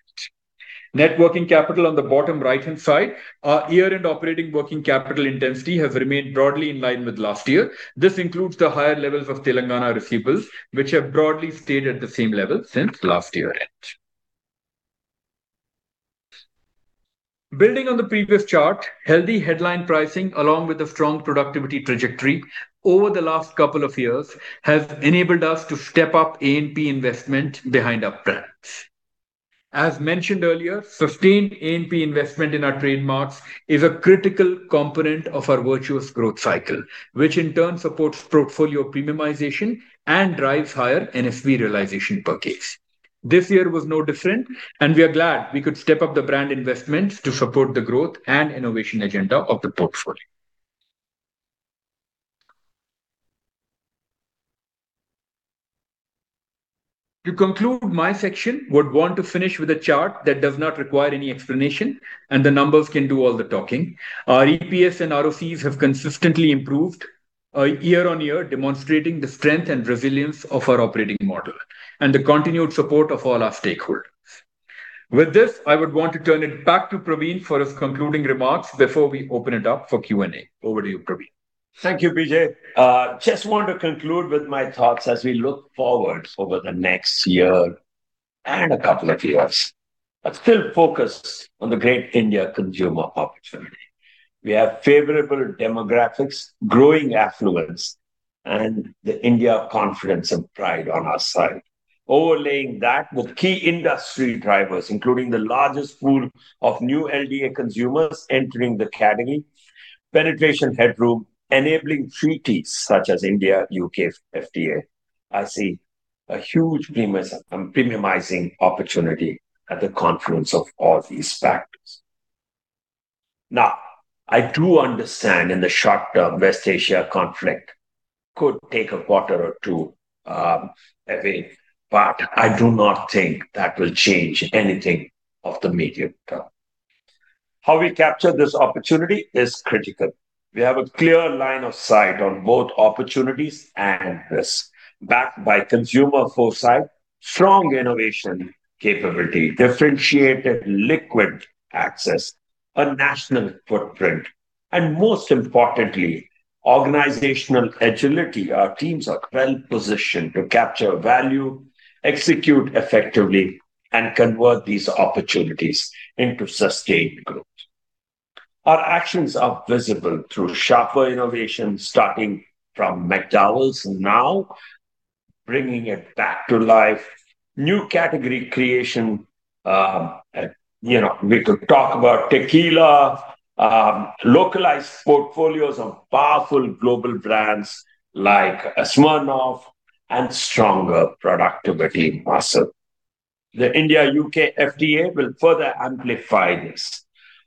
Net working capital on the bottom right-hand side. Our year-end operating working capital intensity has remained broadly in line with last year. This includes the higher levels of Telangana receivables, which have broadly stayed at the same level since last year end. Building on the previous chart, healthy headline pricing along with a strong productivity trajectory over the last couple of years has enabled us to step up A&P investment behind our brands. As mentioned earlier, sustained A&P investment in our trademarks is a critical component of our virtuous growth cycle, which in turn supports portfolio premiumization and drives higher NSV realization per case. This year was no different. We are glad we could step up the brand investments to support the growth and innovation agenda of the portfolio. To conclude my section, would want to finish with a chart that does not require any explanation, and the numbers can do all the talking. Our EPS and ROCEs have consistently improved year-on-year, demonstrating the strength and resilience of our operating model and the continued support of all our stakeholders. With this, I would want to turn it back to Praveen for his concluding remarks before we open it up for Q&A. Over to you, Praveen. Thank you, PJ. Just want to conclude with my thoughts as we look forward over the next year and a couple of years, still focused on the great India consumer opportunity. We have favorable demographics, growing affluence, and the India confidence and pride on our side. Overlaying that with key industry drivers, including the largest pool of new LDA consumers entering the category, penetration headroom, enabling treaties such as India-UK FTA. I see a huge premiumizing opportunity at the confluence of all these factors. I do understand in the short term West Asia conflict could take a quarter or two heavy, I do not think that will change anything of the medium term. How we capture this opportunity is critical. We have a clear line of sight on both opportunities and risk. Backed by consumer foresight, strong innovation capability, differentiated liquid access, a national footprint, and most importantly, organizational agility. Our teams are well-positioned to capture value, execute effectively, and convert these opportunities into sustained growth. Our actions are visible through sharper innovation, starting from McDowell's now bringing it back to life. New category creation, you know, we could talk about tequila. Localized portfolios of powerful global brands like Smirnoff and stronger productivity muscle. The India-U.K. FTA will further amplify this.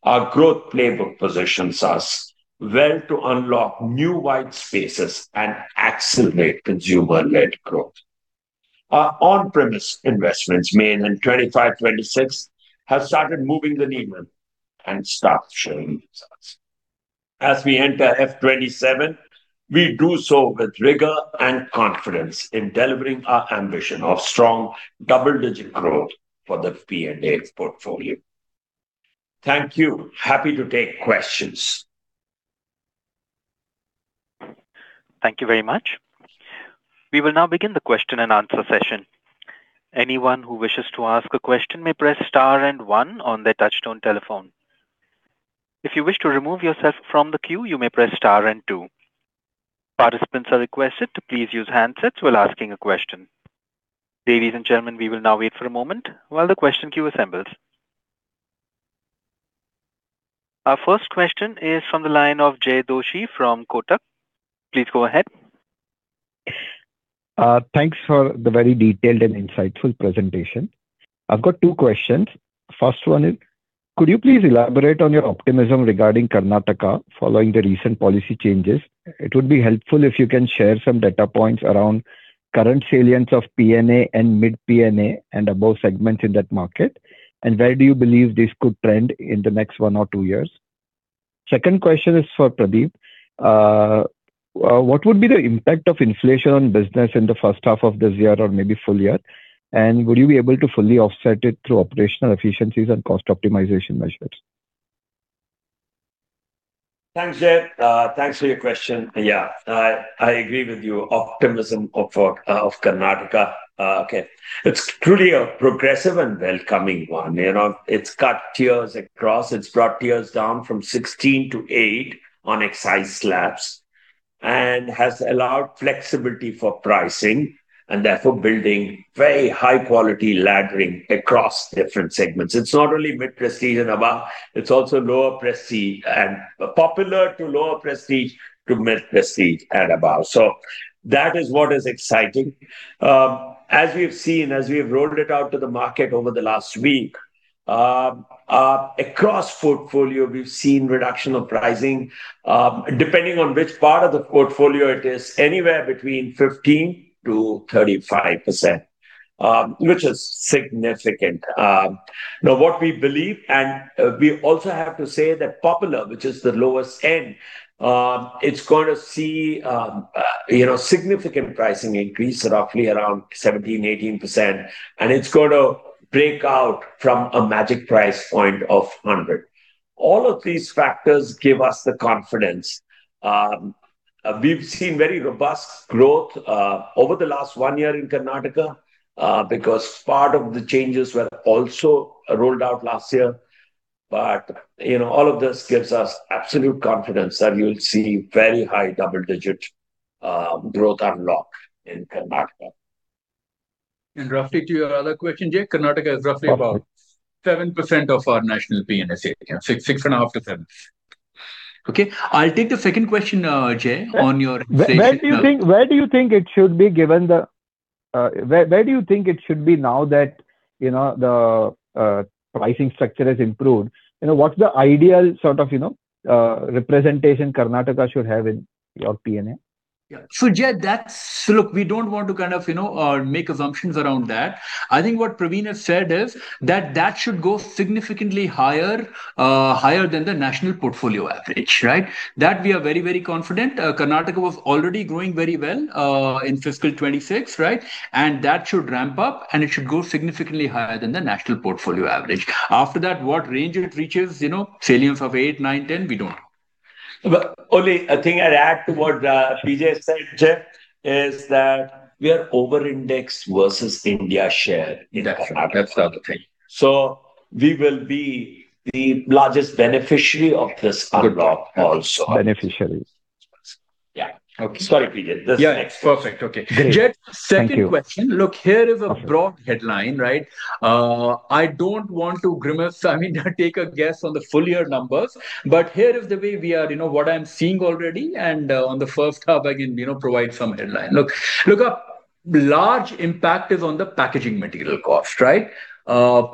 Our growth playbook positions us well to unlock new white spaces and accelerate consumer-led growth. Our on-premise investments made in 2025, 2026 have started moving the needle and start showing results. As we enter FY 2027, we do so with rigor and confidence in delivering our ambition of strong double-digit growth for the P&A portfolio. Thank you. Happy to take questions. Thank you very much. We will now begin the question and answer session. Anyone who wishes to ask a question may press star and one on their touchtone telephone. If you wish to remove yourself from the queue, you may press star and two. Participants are requested to please use handsets while asking a question. Ladies and gentlemen, we will now wait for a moment while the question queue assembles. Our first question is from the line of Jay Doshi from Kotak. Please go ahead. Thanks for the very detailed and insightful presentation. I've got two questions. First one is, could you please elaborate on your optimism regarding Karnataka following the recent policy changes? It would be helpful if you can share some data points around current salience of P&A and mid-P&A and above segments in that market. Where do you believe this could trend in the next one or two years? Second question is for Pradeep. What would be the impact of inflation on business in the first half of this year or maybe full year? Would you be able to fully offset it through operational efficiencies and cost optimization measures? Thanks, Jay. Thanks for your question. Yeah, I agree with you. Optimism of Karnataka, okay. It's truly a progressive and welcoming one. You know, it's cut tiers across. It's brought tiers down from 16 to 8 on excise slabs, and has allowed flexibility for pricing, and therefore building very high quality laddering across different segments. It's not only mid-Prestige and above, it's also lower Prestige and popular to lower Prestige to mid-Prestige and above. That is what is exciting. As we've seen, as we've rolled it out to the market over the last week, across portfolio, we've seen reduction of pricing, depending on which part of the portfolio it is, anywhere between 15%-35%, which is significant. Now what we believe and, we also have to say that popular, which is the lowest end, it's gonna see, you know, significant pricing increase roughly around 17%-18%, and it's gonna break out from a magic price point of 100. All of these factors give us the confidence. We've seen very robust growth over the last one year in Karnataka, because part of the changes were also rolled out last year. You know, all of this gives us absolute confidence that we'll see very high double-digit growth unlock in Karnataka. Roughly to your other question, Jay, Karnataka is roughly about 7% of our national P&A share. 6.5 to 7. Okay, I'll take the second question now, Jay. Where do you think it should be now that, you know, the pricing structure has improved? You know, what's the ideal sort of, you know, representation Karnataka should have in your P&A? Yeah. Jay, Look, we don't want to kind of, you know, make assumptions around that. I think what Praveen has said is that that should go significantly higher than the national portfolio average, right? That we are very, very confident. Karnataka was already growing very well in FY 2026, right? That should ramp up, and it should go significantly higher than the national portfolio average. After that, what range it reaches, you know, salience of 8, 9, 10, we don't know. Well, only a thing I'd add to what PJ said, Jay, is that we are over-indexed versus India share in Karnataka. That's the other thing. We will be the largest beneficiary of this unlock also. Beneficiaries. Yeah. Okay. Sorry, PJ. This next- Yeah. Perfect. Okay. Great. Jay, second question. Thank you. Look, here is a broad headline, right? I don't want to grimace, I mean, take a guess on the full-year numbers, but here is the way we are, you know, what I'm seeing already, on the first half I can, you know, provide some headline. A large impact is on the packaging material cost, right?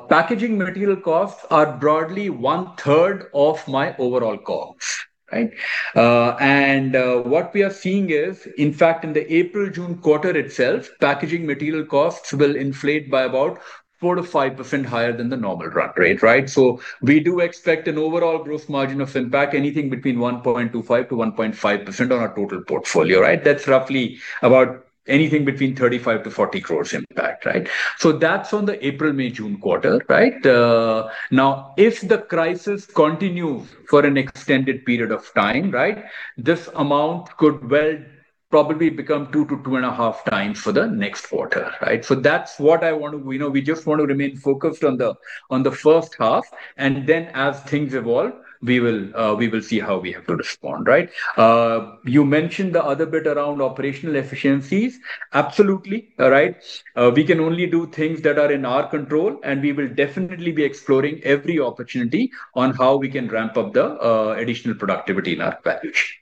Packaging material costs are broadly one-third of my overall costs, right? What we are seeing is, in fact, in the April-June quarter itself, packaging material costs will inflate by about 4%-5% higher than the normal run rate, right? We do expect an overall gross margin of impact anything between 1.25%-1.5% on our total portfolio, right? That's roughly about anything between 35 crores-40 crores impact, right? That's on the April-May-June quarter, right? Now, if the crisis continues for an extended period of time, this amount could probably become 2 to 2.5 times for the next quarter? That's what I want to, you know, we just want to remain focused on the first half, and then as things evolve, we will see how we have to respond. You mentioned the other bit around operational efficiencies. Absolutely, all right. We can only do things that are in our control, and we will definitely be exploring every opportunity on how we can ramp up the additional productivity in our value chain.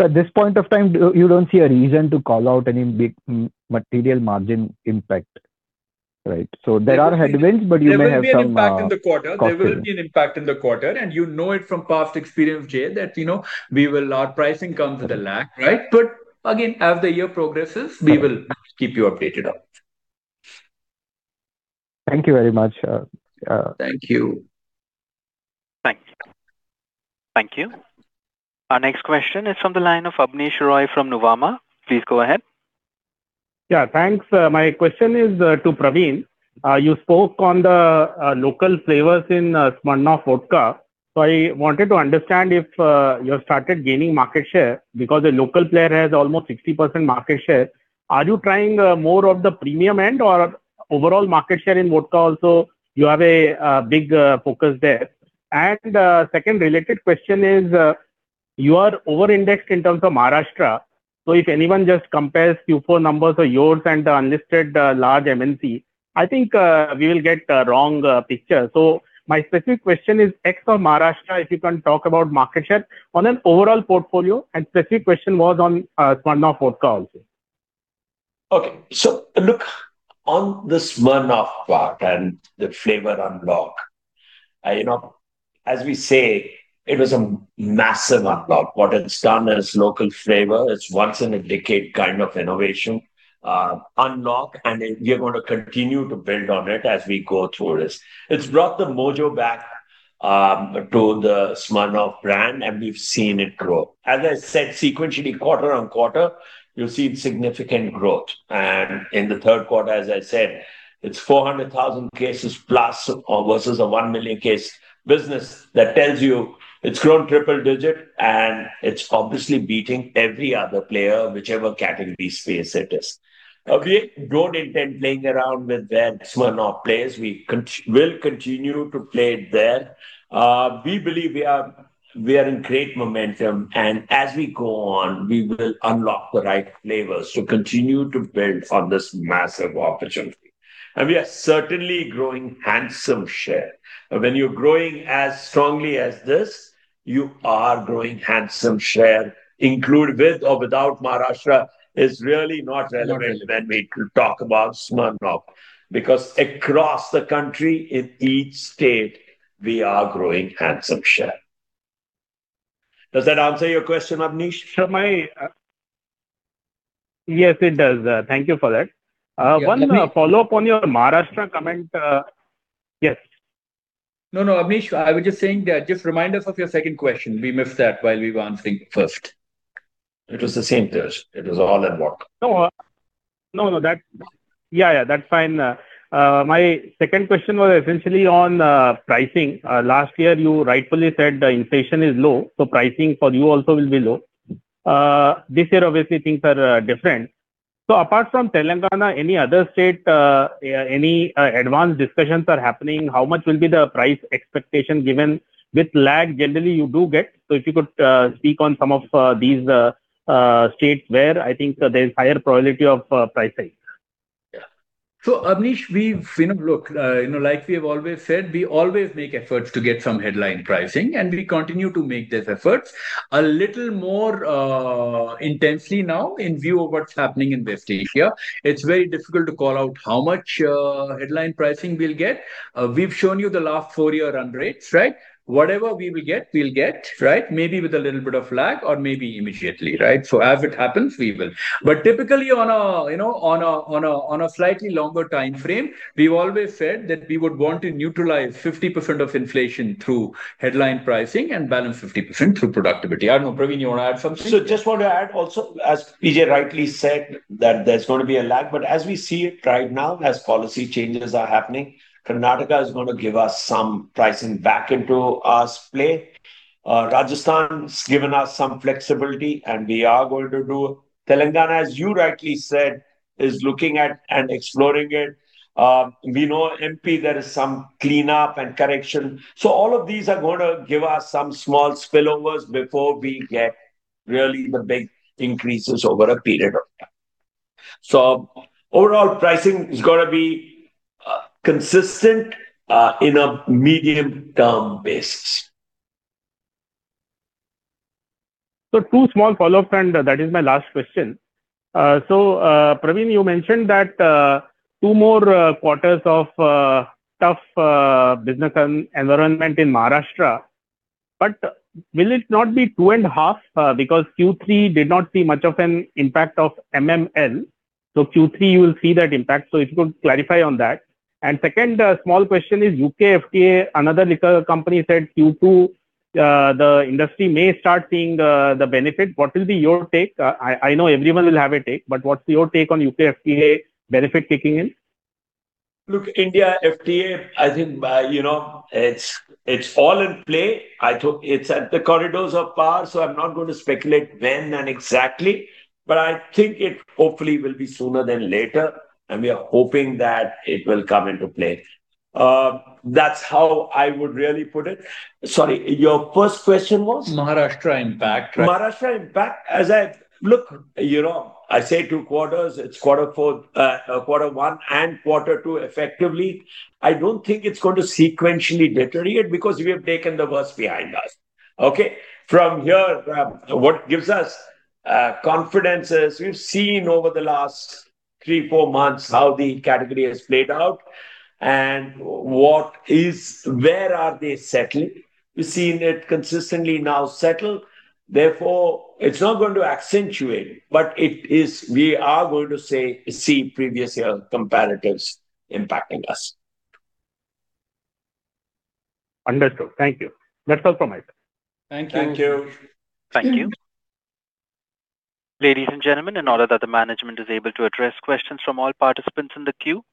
At this point of time, do you don't see a reason to call out any big material margin impact, right? There are headwinds, but you may have some. There will be an impact in the quarter. You know it from past experience, Jay, that, you know, our pricing comes with a lag, right? Again, as the year progresses, we will keep you updated on it. Thank you very much. Thank you. Thank you. Thank you. Our next question is from the line of Abneesh Roy from Nuvama. Please go ahead. Yeah, thanks. My question is to Praveen. You spoke on the local flavors in Smirnoff vodka. I wanted to understand if you have started gaining market share because the local player has almost 60% market share. Are you trying more of the premium end or overall market share in vodka also you have a big focus there? Second related question is you are over-indexed in terms of Maharashtra, if anyone just compares Q4 numbers of yours and the unlisted large MNC, I think we will get a wrong picture. My specific question is ex of Maharashtra, if you can talk about market share on an overall portfolio, and specific question was on Smirnoff vodka also. Okay. Look, on the Smirnoff part and the flavor unlock, you know, as we say, it was a massive unlock. What it's done as local flavor is once in a decade kind of innovation, unlock, and we are gonna continue to build on it as we go through this. It's brought the mojo back to the Smirnoff brand, and we've seen it grow. As I said, sequentially quarter on quarter you'll see significant growth. In the Q3, as I said, it's 400,000 cases plus versus a 1 million case business. That tells you it's grown triple digit and it's obviously beating every other player whichever category space it is. Okay. We don't intend playing around with the Smirnoff players. We'll continue to play it there. We believe we are in great momentum. As we go on, we will unlock the right flavors to continue to build on this massive opportunity. We are certainly growing handsome share. When you're growing as strongly as this, you are growing handsome share. Include with or without Maharashtra is really not relevant when we talk about Smirnoff, because across the country in each state we are growing handsome share. Does that answer your question, Abneesh? From my, Yes, it does. Thank you for that. Abneesh. Follow-up on your Maharashtra comment, yes. No, no, Abneesh, I was just saying that just remind us of your second question. We missed that while we were answering the first. It was the same, Jain. It was all on vodka. No. No, no, that Yeah, yeah, that's fine. My second question was essentially on pricing. Last year you rightfully said the inflation is low, so pricing for you also will be low. This year obviously things are different. Apart from Telangana, any other state, any advanced discussions are happening? How much will be the price expectation given with lag generally you do get? If you could speak on some of these states where I think there's higher probability of pricing. Yeah. Abneesh, we've, you know, look, you know, like we have always said, we always make efforts to get some headline pricing, and we continue to make these efforts a little more intensely now in view of what's happening in West Asia. It's very difficult to call out how much headline pricing we'll get. We've shown you the last four-year run rates, right? Whatever we will get, we'll get, right? Maybe with a little bit of lag or maybe immediately, right? As it happens, we will. Typically on a, you know, on a slightly longer timeframe, we've always said that we would want to neutralize 50% of inflation through headline pricing and balance 50% through productivity. I don't know, Praveen, you want to add something? Just want to add also, as PJ rightly said, that there is going to be a lag. As we see it right now, as policy changes are happening, Karnataka is going to give us some pricing back into our play. Rajasthan has given us some flexibility, and we are going to do. Telangana, as you rightly said, is looking at and exploring it. We know MP there is some cleanup and correction. All of these are going to give us some small spillovers before we get really the big increases over a period of time. Overall pricing is going to be consistent in a medium term basis. Two small follow-ups, and that is my last question. Praveen, you mentioned that two more quarters of tough business environment in Maharashtra. Will it not be two and a half, because Q3 did not see much of an impact of MML, so Q3 you'll see that impact, so if you could clarify on that. Second, small question is UK FTA, another liquor company, said Q2, the industry may start seeing the benefit. What will be your take? I know everyone will have a take, but what's your take on UK FTA benefit kicking in? Look, India FTA, I think by, you know, it's all in play. I thought it's at the corridors of power, so I'm not gonna speculate when and exactly, but I think it hopefully will be sooner than later. We are hoping that it will come into play. That's how I would really put it. Sorry, your first question was? Maharashtra impact, right? Maharashtra impact, you know, I say two quarters, it's quarter four, quarter one and quarter two effectively. I don't think it's going to sequentially deteriorate because we have taken the worst behind us. Okay. From here, what gives us confidence is we've seen over the last three, four months how the category has played out and where are they settled. We've seen it consistently now settle, therefore it's not going to accentuate, but we are going to see previous year comparatives impacting us. Understood. Thank you. That's all from my side. Thank you. Thank you. Thank you. Ladies and gentlemen, in order that the management is able to address questions from all participants in the queue,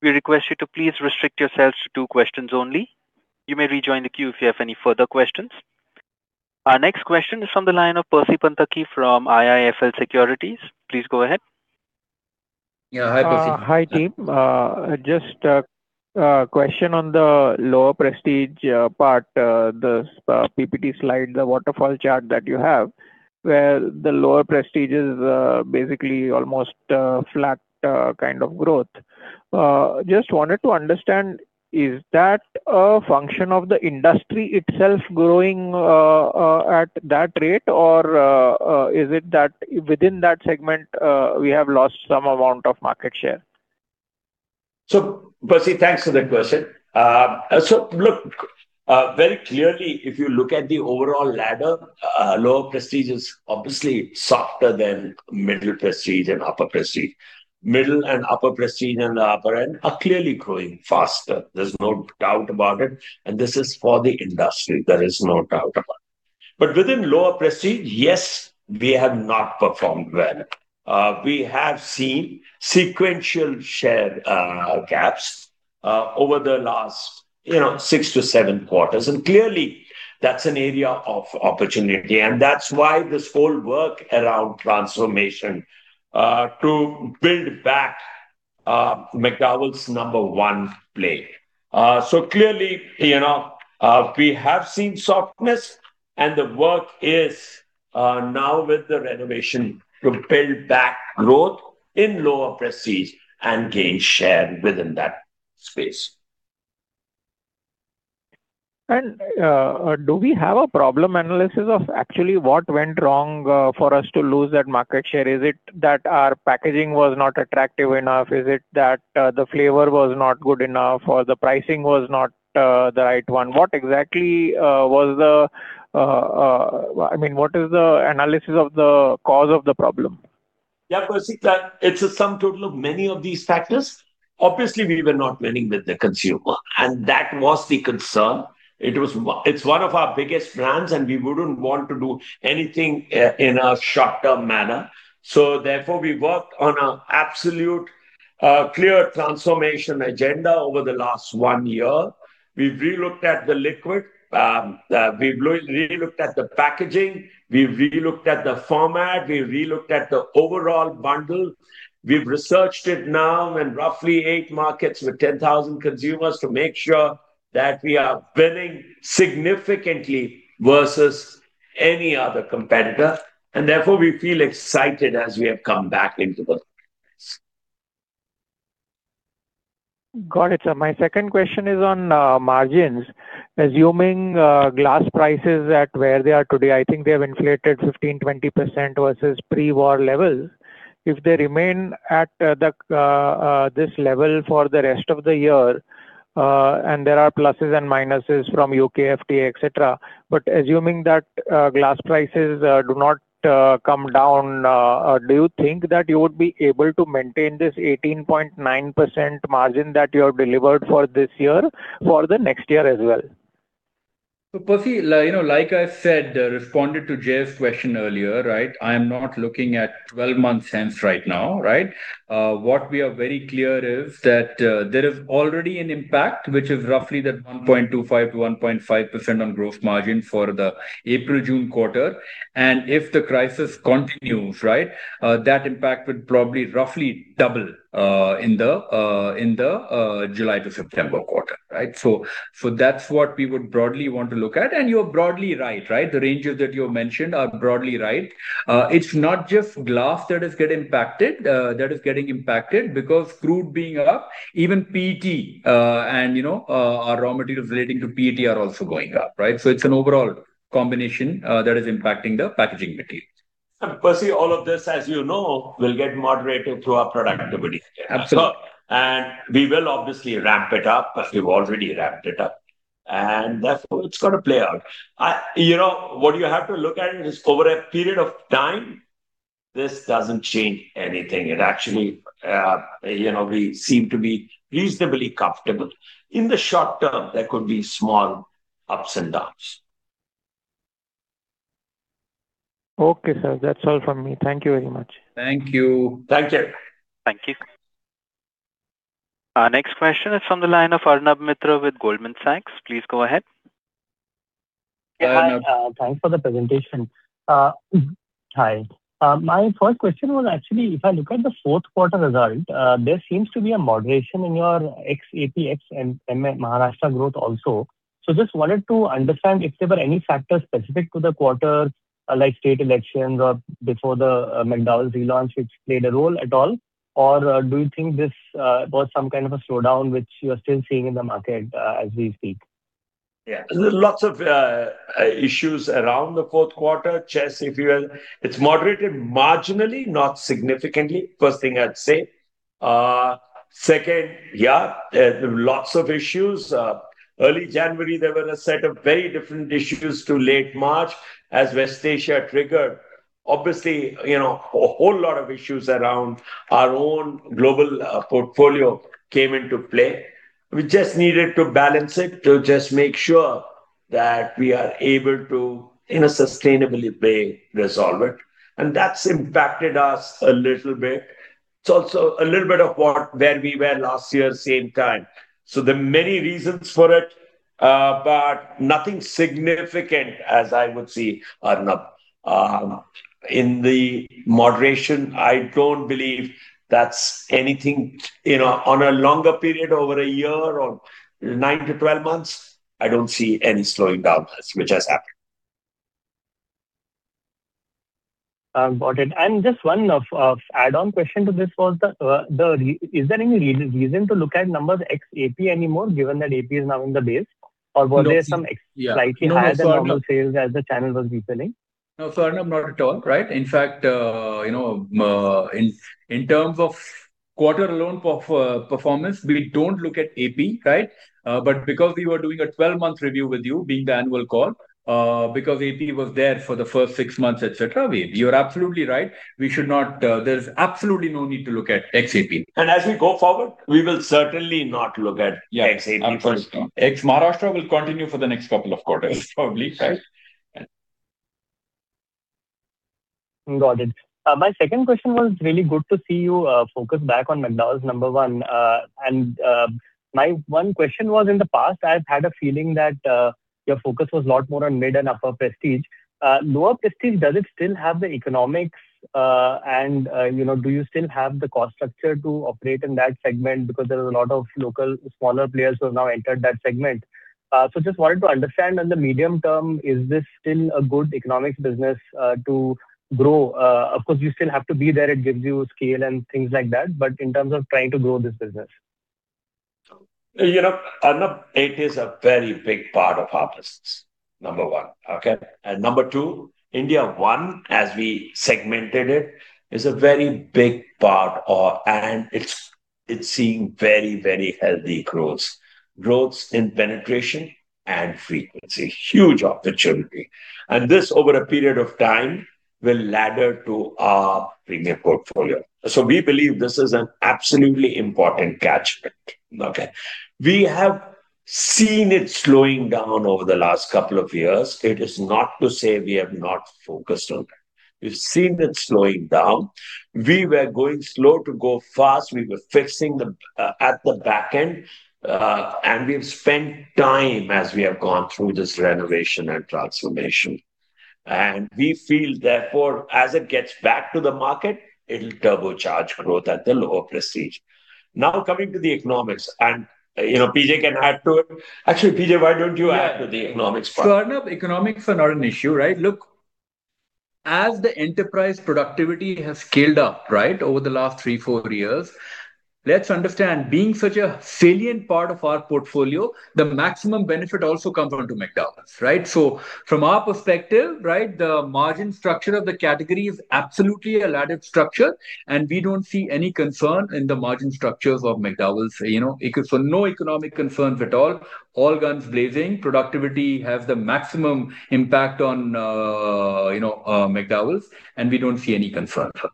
we request you to please restrict yourselves to two questions only. You may rejoin the queue if you have any further questions. Our next question is on the line of Percy Panthaki from IIFL Securities. Please go ahead. Yeah, hi, Percy. Hi, team. Just a question on the lower Prestige part, the PPT slide, the waterfall chart that you have, where the lower Prestige is basically almost flat kind of growth. Just wanted to understand, is that a function of the industry itself growing at that rate? Or is it that within that segment, we have lost some amount of market share? Percy, thanks for that question. Very clearly, if you look at the overall ladder, lower Prestige is obviously softer than middle Prestige and upper Prestige. Middle and upper Prestige in the upper end are clearly growing faster. There's no doubt about it, this is for the industry. There is no doubt about it. Within lower Prestige, yes, we have not performed well. We have seen sequential share gaps over the last, you know, six to seven quarters, clearly that's an area of opportunity, that's why this whole work around transformation to build back McDowell's No.1 play. Clearly, you know, we have seen softness, the work is now with the renovation to build back growth in lower Prestige and gain share within that space. Do we have a problem analysis of actually what went wrong for us to lose that market share? Is it that our packaging was not attractive enough? Is it that the flavor was not good enough or the pricing was not the right one? What exactly was the, I mean, what is the analysis of the cause of the problem? Percy, it's a sum total of many of these factors. Obviously, we were not winning with the consumer, and that was the concern. It's one of our biggest brands, and we wouldn't want to do anything in a short-term manner. Therefore, we worked on an absolute clear transformation agenda over the last one year. We re-looked at the liquid. We re-looked at the packaging. We re-looked at the format. We re-looked at the overall bundle. We've researched it now in roughly eight markets with 10,000 consumers to make sure that we are winning significantly versus any other competitor, and therefore we feel excited as we have come back into the marketplace. Got it, sir. My second question is on margins. Assuming glass prices at where they are today, I think they have inflated 15%, 20% versus pre-war levels. If they remain at this level for the rest of the year, and there are pluses and minuses from UK FTA, et cetera. Assuming that glass prices do not come down, do you think that you would be able to maintain this 18.9% margin that you have delivered for this year for the next year as well? Percy, you know, like I said, responded to Jay's question earlier. I am not looking at 12-month sense right now. What we are very clear is that there is already an impact, which is roughly the 1.25%-1.5% on gross margin for the April/June quarter. If the crisis continues, that impact would probably roughly double in the July to September quarter. That's what we would broadly want to look at. You're broadly right. The ranges that you have mentioned are broadly right. It's not just glass that is getting impacted because crude being up, even PET, and, you know, our raw materials relating to PET are also going up. It's an overall combination that is impacting the packaging materials. Percy, all of this, as you know, will get moderated through our productivity agenda. Absolutely. We will obviously ramp it up as we've already ramped it up, and therefore it's gonna play out. You know, what you have to look at is over a period of time, this doesn't change anything. It actually, you know, we seem to be reasonably comfortable. In the short term, there could be small ups and downs. Okay, sir. That's all from me. Thank you very much. Thank you. Thank you. Thank you. Our next question is from the line of Arnab Mitra with Goldman Sachs. Please go ahead. Hi, Arnab. Yeah, thanks for the presentation. Hi. My first question was actually, if I look at the Q4 result, there seems to be a moderation in your ex-AP, ex-Maharashtra growth also. Just wanted to understand if there were any factors specific to the quarter, like state elections or before the McDowell's relaunch which played a role at all? Do you think this was some kind of a slowdown which you are still seeing in the market, as we speak? Yeah. Lots of issues around the Q4. Just, if you will. It's moderated marginally, not significantly, first thing I'd say. Second, there were lots of issues. Early January there were a set of very different issues to late March as West Asia triggered, obviously, a whole lot of issues around our own global portfolio came into play. We just needed to balance it to just make sure that we are able to, in a sustainable way, resolve it, and that's impacted us a little bit. It's also a little bit of what, where we were last year same time. There are many reasons for it, but nothing significant as I would see, Arnab, in the moderation. I don't believe that's anything, you know, on a longer period, over a year or 9-12 months, I don't see any slowing down which has happened. Got it. Just one of add-on question to this was is there any reason to look at numbers ex-P&A anymore given that P&A is now in the base? No. Were there some? Yeah. -slightly higher than normal- No, Arnab. -sales as the channel was refilling? No, Arnab, not at all, right? In fact, you know, in terms of quarter alone performance, we don't look at AP, right? Because we were doing a 12-month review with you, being the annual call, because AP was there for the first six months, et cetera. You're absolutely right, we should not, there's absolutely no need to look at ex-AP. As we go forward, we will certainly not look at ex-AP going forward. Yeah, of course. Ex-Maharashtra will continue for the next couple of quarters probably, right? Yes. Got it. My second question was really good to see you focus back on McDowell's No.1. My one question was, in the past I've had a feeling that your focus was a lot more on mid and upper Prestige. Lower Prestige, does it still have the economics, and, you know, do you still have the cost structure to operate in that segment? There is a lot of local smaller players who have now entered that segment. Just wanted to understand in the medium term, is this still a good economics business to grow? Of course, you still have to be there, it gives you scale and things like that, but in terms of trying to grow this business. You know, Arnab, it is a very big part of our business, number one. Okay? Number two, India 1, as we segmented it, is a very big part or it's seeing very, very healthy growth. Growth in penetration and frequency. Huge opportunity. This, over a period of time, will ladder to our premium portfolio. We believe this is an absolutely important catchment. Okay? We have seen it slowing down over the last couple of years. It is not to say we have not focused on that. We've seen it slowing down. We were going slow to go fast. We were fixing the at the back end. We've spent time as we have gone through this renovation and transformation. We feel therefore, as it gets back to the market, it'll turbocharge growth at the lower Prestige. Now coming to the economics and, you know, PJ can add to it. Actually, PJ, why don't you add to the economics part? Arnab, economics are not an issue, right? Look, as the enterprise productivity has scaled up, right, over the last three, four years, let's understand, being such a salient part of our portfolio, the maximum benefit also comes on to McDowell's, right? From our perspective, right, the margin structure of the category is absolutely a laddered structure, and we don't see any concern in the margin structures of McDowell's. You know, no economic concerns at all. All guns blazing. Productivity has the maximum impact on, you know, McDowell's, and we don't see any concern for that.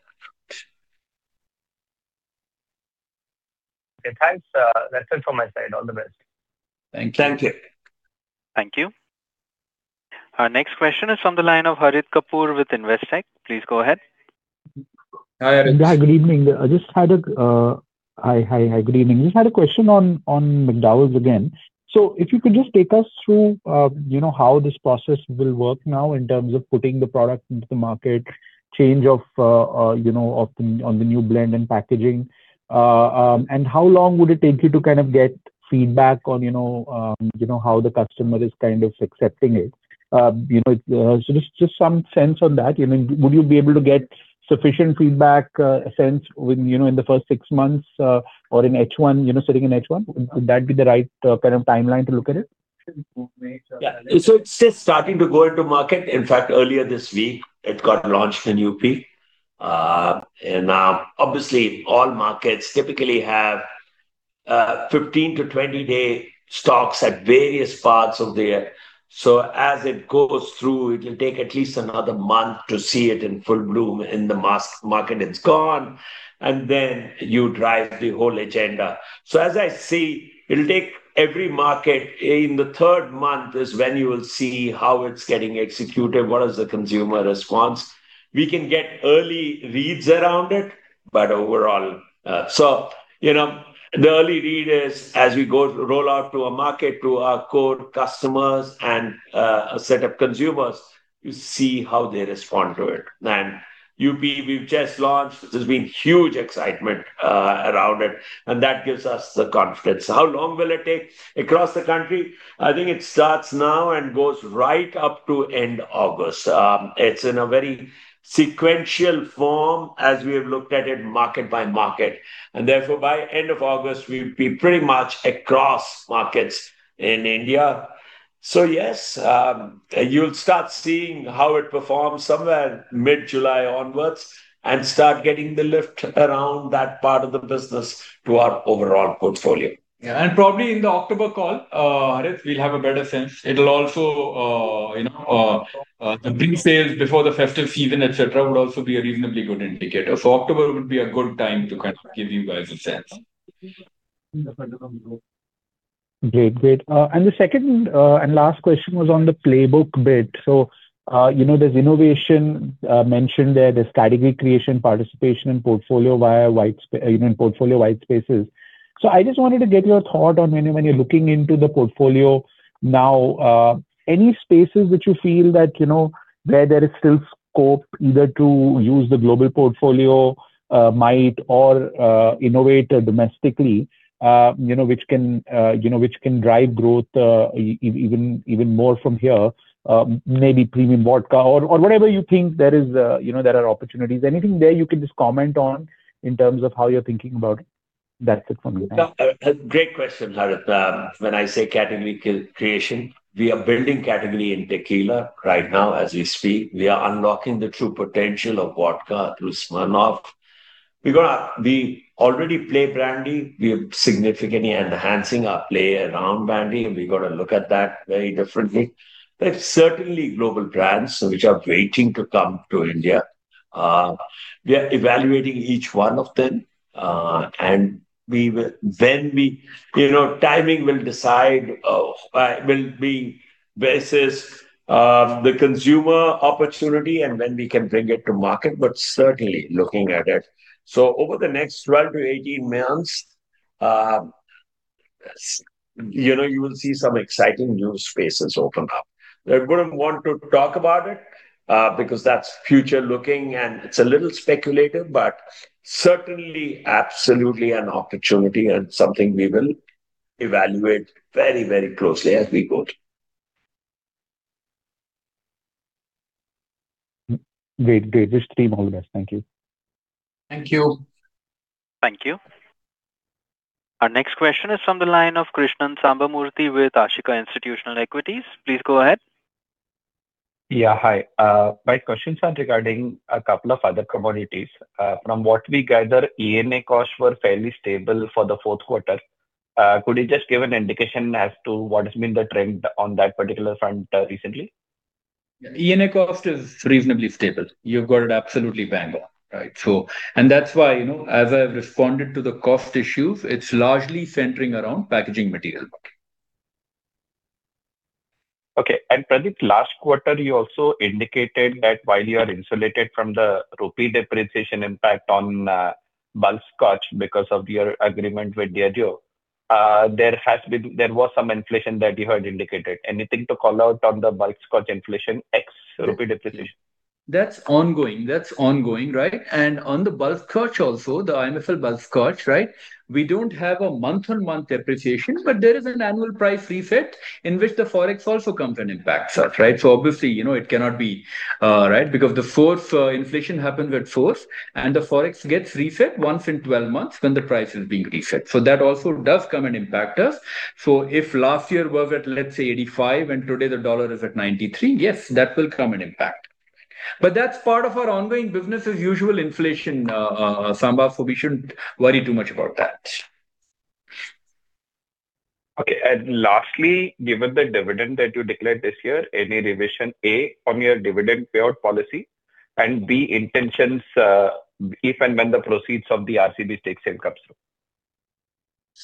Okay, thanks. That's it from my side. All the best. Thank you. Thank you. Thank you. Our next question is from the line of Harit Kapoor with Investec. Please go ahead. Hi, Harit. Good evening. Hi, good evening. Just had a question on McDowell's again. If you could just take us through, you know, how this process will work now in terms of putting the product into the market, change of, you know, on the new blend and packaging. How long would it take you to kind of get feedback on, you know, how the customer is kind of accepting it? You know, so some sense on that. You know, would you be able to get sufficient feedback, sense when, in the first 6 months, or in H1, sitting in H1? Would that be the right kind of timeline to look at it? Yeah. It's just starting to go into market. In fact, earlier this week it got launched in U.P. Obviously all markets typically have 15 to 20 day stocks at various parts of the year. As it goes through, it'll take at least another month to see it in full bloom in the market it's gone, and then you drive the whole agenda. As I see, it'll take every market, in the third month is when you will see how it's getting executed, what is the consumer response. We can get early reads around it overall, you know, the early read is as we go roll out to a market to our core customers and a set of consumers, you see how they respond to it. UP we've just launched, there's been huge excitement around it, and that gives us the confidence. How long will it take? Across the country, I think it starts now and goes right up to end August. It's in a very sequential form as we have looked at it market by market. Therefore, by end of August we'll be pretty much across markets in India. Yes, you'll start seeing how it performs somewhere mid-July onwards and start getting the lift around that part of the business to our overall portfolio. Yeah. Probably in the October call, Harit, we'll have a better sense. It'll also, you know, bring sales before the festive season, et cetera, would also be a reasonably good indicator. October would be a good time to kind of give you guys a sense. Great. Great. The second and last question was on the playbook bit. You know, there's innovation mentioned there. There's category creation, participation in portfolio via wide portfolio-wide spaces. I just wanted to get your thought on when you're looking into the portfolio now, any spaces which you feel that, you know, where there is still scope either to use the global portfolio might or innovate domestically, you know, which can, you know, which can drive growth even more from here, maybe premium vodka or whatever you think there is, you know, there are opportunities. Anything there you can just comment on in terms of how you're thinking about it? That's it from me. Thanks. No, a great question, Harit. When I say category creation, we are building category in tequila right now as we speak. We are unlocking the true potential of vodka through Smirnoff. We already play brandy. We are significantly enhancing our play around brandy, and we're gonna look at that very differently. There are certainly global brands which are waiting to come to India. We are evaluating each one of them, and we will, you know, timing will decide, will be basis the consumer opportunity and when we can bring it to market. Certainly looking at it. Over the next 12-18 months, you know, you will see some exciting new spaces open up. We wouldn't want to talk about it, because that's future looking and it's a little speculative, but certainly absolutely an opportunity and something we will evaluate very, very closely as we go. Great. Just stream all this. Thank you. Thank you. Thank you. Our next question is from the line of Krishnan Sambamurthy with Ashika Institutional Equities. Please go ahead. Yeah. Hi. My questions are regarding a couple of other commodities. From what we gather, ENA costs were fairly stable for the Q4. Could you just give an indication as to what has been the trend on that particular front recently? ENA cost is reasonably stable. You've got it absolutely bang on, right? That's why, you know, as I've responded to the cost issues, it's largely centering around packaging material. Okay. Pradeep, last quarter you also indicated that while you are insulated from the rupee depreciation impact on bulk scotch because of your agreement with Diageo, there was some inflation that you had indicated. Anything to call out on the bulk scotch inflation ex-rupee depreciation? That's ongoing. That's ongoing, right? On the bulk scotch also, the IMFL bulk scotch, right, we don't have a month-on-month depreciation, but there is an annual price reset in which the Forex also comes and impacts us, right? Obviously, you know, it cannot be, right, because the fourth inflation happens at fourth and the Forex gets reset once in 12 months when the price is being reset. If last year was at, let's say, 85, and today the dollar is at 93, yes, that will come and impact. That's part of our ongoing business as usual inflation, Sambamurthy, so we shouldn't worry too much about that. Okay. Lastly, given the dividend that you declared this year, any revision, A, on your dividend payout policy, and B, intentions, if and when the proceeds of the RCB stake sale comes through?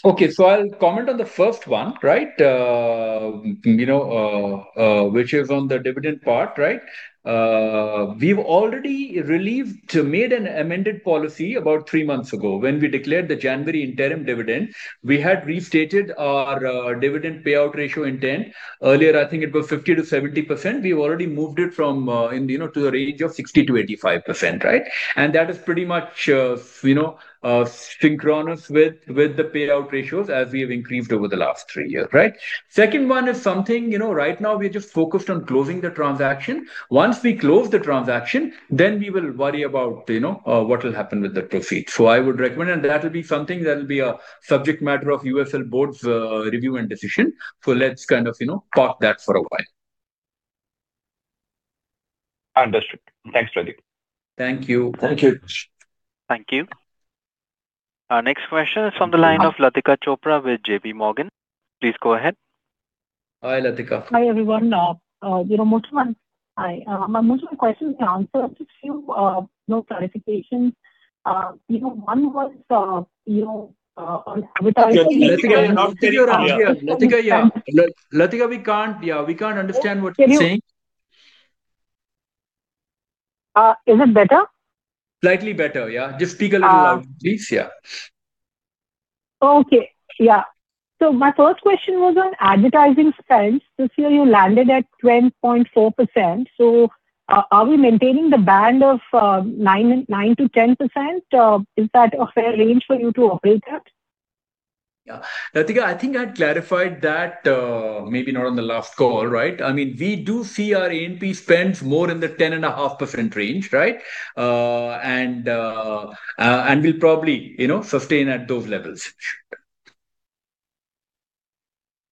Okay. I'll comment on the first one, right, you know, which is on the dividend part, right? We've already made an amended policy about three months ago. When we declared the January interim dividend, we had restated our dividend payout ratio intent. Earlier, I think it was 50%-70%. We've already moved it from, you know, to the range of 60%-85%, right? That is pretty much, you know, synchronous with the payout ratios as we have increased over the last three years, right? Second one is something, you know, right now we're just focused on closing the transaction. Once we close the transaction, then we will worry about, you know, what will happen with the proceeds. I would recommend, and that'll be something that'll be a subject matter of USL board's review and decision. Let's kind of, you know, park that for a while. Understood. Thanks, Pradeep. Thank you. Thank you. Thank you. Our next question is on the line of Latika Chopra with JPMorgan. Please go ahead. Hi, Latika. Hi, everyone. You know, most of my questions you answered. Just a few, you know, clarifications. Latika, I don't think you're on here. Latika, yeah. Latika, we can't understand what you're saying. Is it better? Slightly better, yeah. Uh- Just speak a little loud please. Yeah. Okay. Yeah. My first question was on advertising spends. This year you landed at 10.4%. Are we maintaining the band of 9%-10%? Is that a fair range for you to operate at? Yeah. Latika, I think I clarified that, maybe not on the last call, right? I mean, we do see our A&P spends more in the 10.5% range, right? We'll probably, you know, sustain at those levels.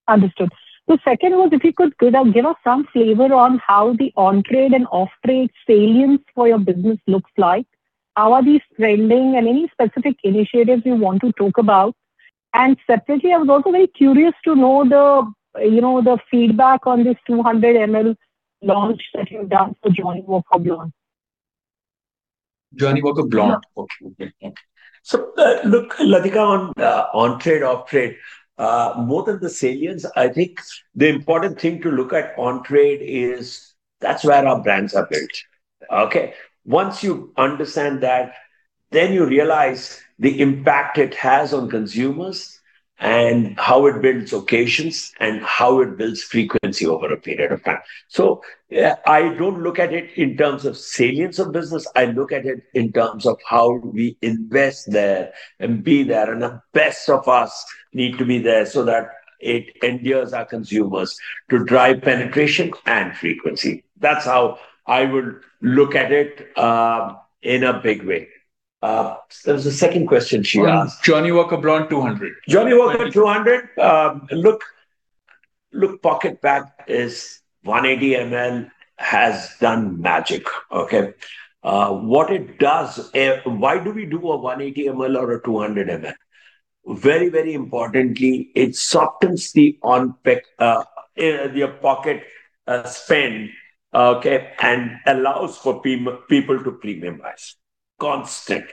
Understood. The second was if you could give us some flavor on how the on-trade and off-trade salience for your business looks like. How are these trending, and any specific initiatives you want to talk about? Secondly, I was also very curious to know, you know, the feedback on this 200 ml launch that you've done for Johnnie Walker Blonde. Johnnie Walker Blonde. Yeah. Okay. look, Latika, on on-trade, off-trade, more than the salience, I think the important thing to look at on-trade is that's where our brands are built. Okay. Once you understand that, then you realize the impact it has on consumers and how it builds occasions and how it builds frequency over a period of time. I don't look at it in terms of salience of business, I look at it in terms of how do we invest there and be there, and the best of us need to be there so that it endears our consumers to drive penetration and frequency. That's how I would look at it in a big way. There was a second question she asked. On Johnnie Walker Blonde 200. Johnnie Walker 200. Look, pocket pack is 180 ml, has done magic. What it does, why do we do a 180 ml or a 200 ml? Very importantly, it softens the on-pack, your pocket spend. It allows for people to premiumize constant,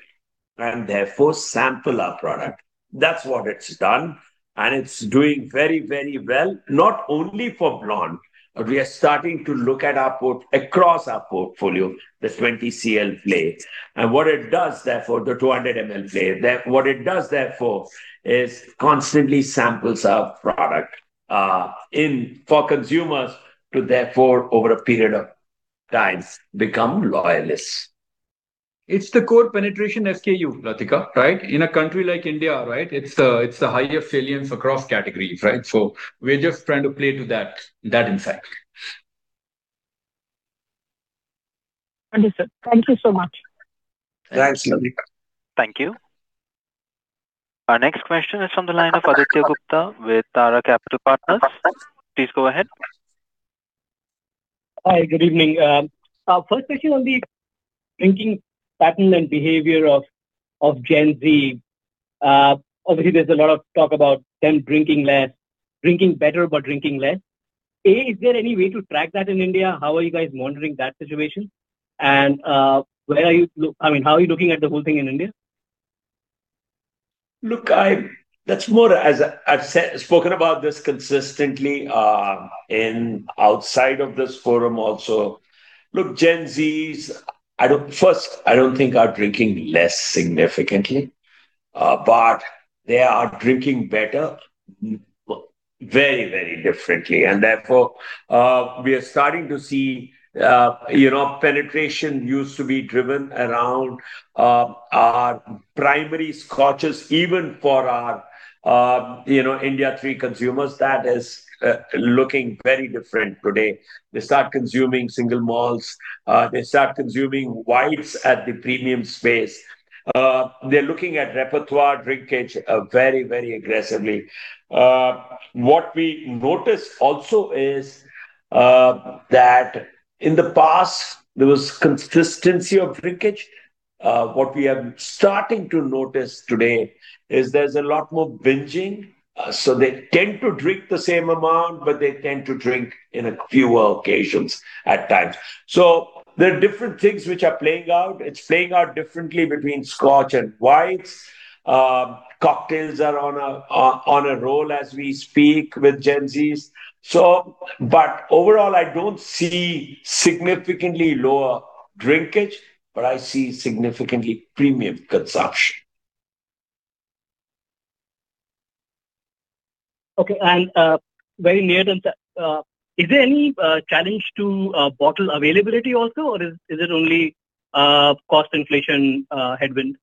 and therefore sample our product. That's what it's done, and it's doing very well, not only for Blonde, but we are starting to look at across our portfolio, the 20 cl play. What it does therefore, the 200 ml play. What it does therefore is constantly samples our product, in for consumers to therefore, over a period of times, become loyalists. It's the core penetration SKU, Latika, right? In a country like India, right? It's the higher salience across categories, right? We're just trying to play to that insight. Understood. Thank you so much. Thanks, Latika. Thank you. Thank you. Our next question is from the line of Aditya Gupta with Tara Capital Partners. Please go ahead. Hi. Good evening. Our first question on the drinking pattern and behavior of Gen Z. Obviously there's a lot of talk about them drinking less, drinking better but drinking less. Is there any way to track that in India? How are you guys monitoring that situation? Where are you, I mean, how are you looking at the whole thing in India? Look, That's more as I've said, spoken about this consistently, in outside of this forum also. Look, Gen Zs, I don't first, I don't think are drinking less significantly, but they are drinking better very, very differently. Therefore, we are starting to see, you know, penetration used to be driven around, our primary scotches even for our, you know, India 3 consumers. That is looking very different today. They start consuming single malts, they start consuming whites at the premium space. They're looking at repertoire drinkage, very, very aggressively. What we notice also is that in the past there was consistency of drinkage. What we are starting to notice today is there's a lot more binging. They tend to drink the same amount, but they tend to drink in a fewer occasions at times. There are different things which are playing out. It's playing out differently between scotch and whites. Cocktails are on a roll as we speak with Gen Zs. But overall, I don't see significantly lower drinkage, but I see significantly premium consumption. Okay. Is there any challenge to bottle availability also, or is it only cost inflation headwind?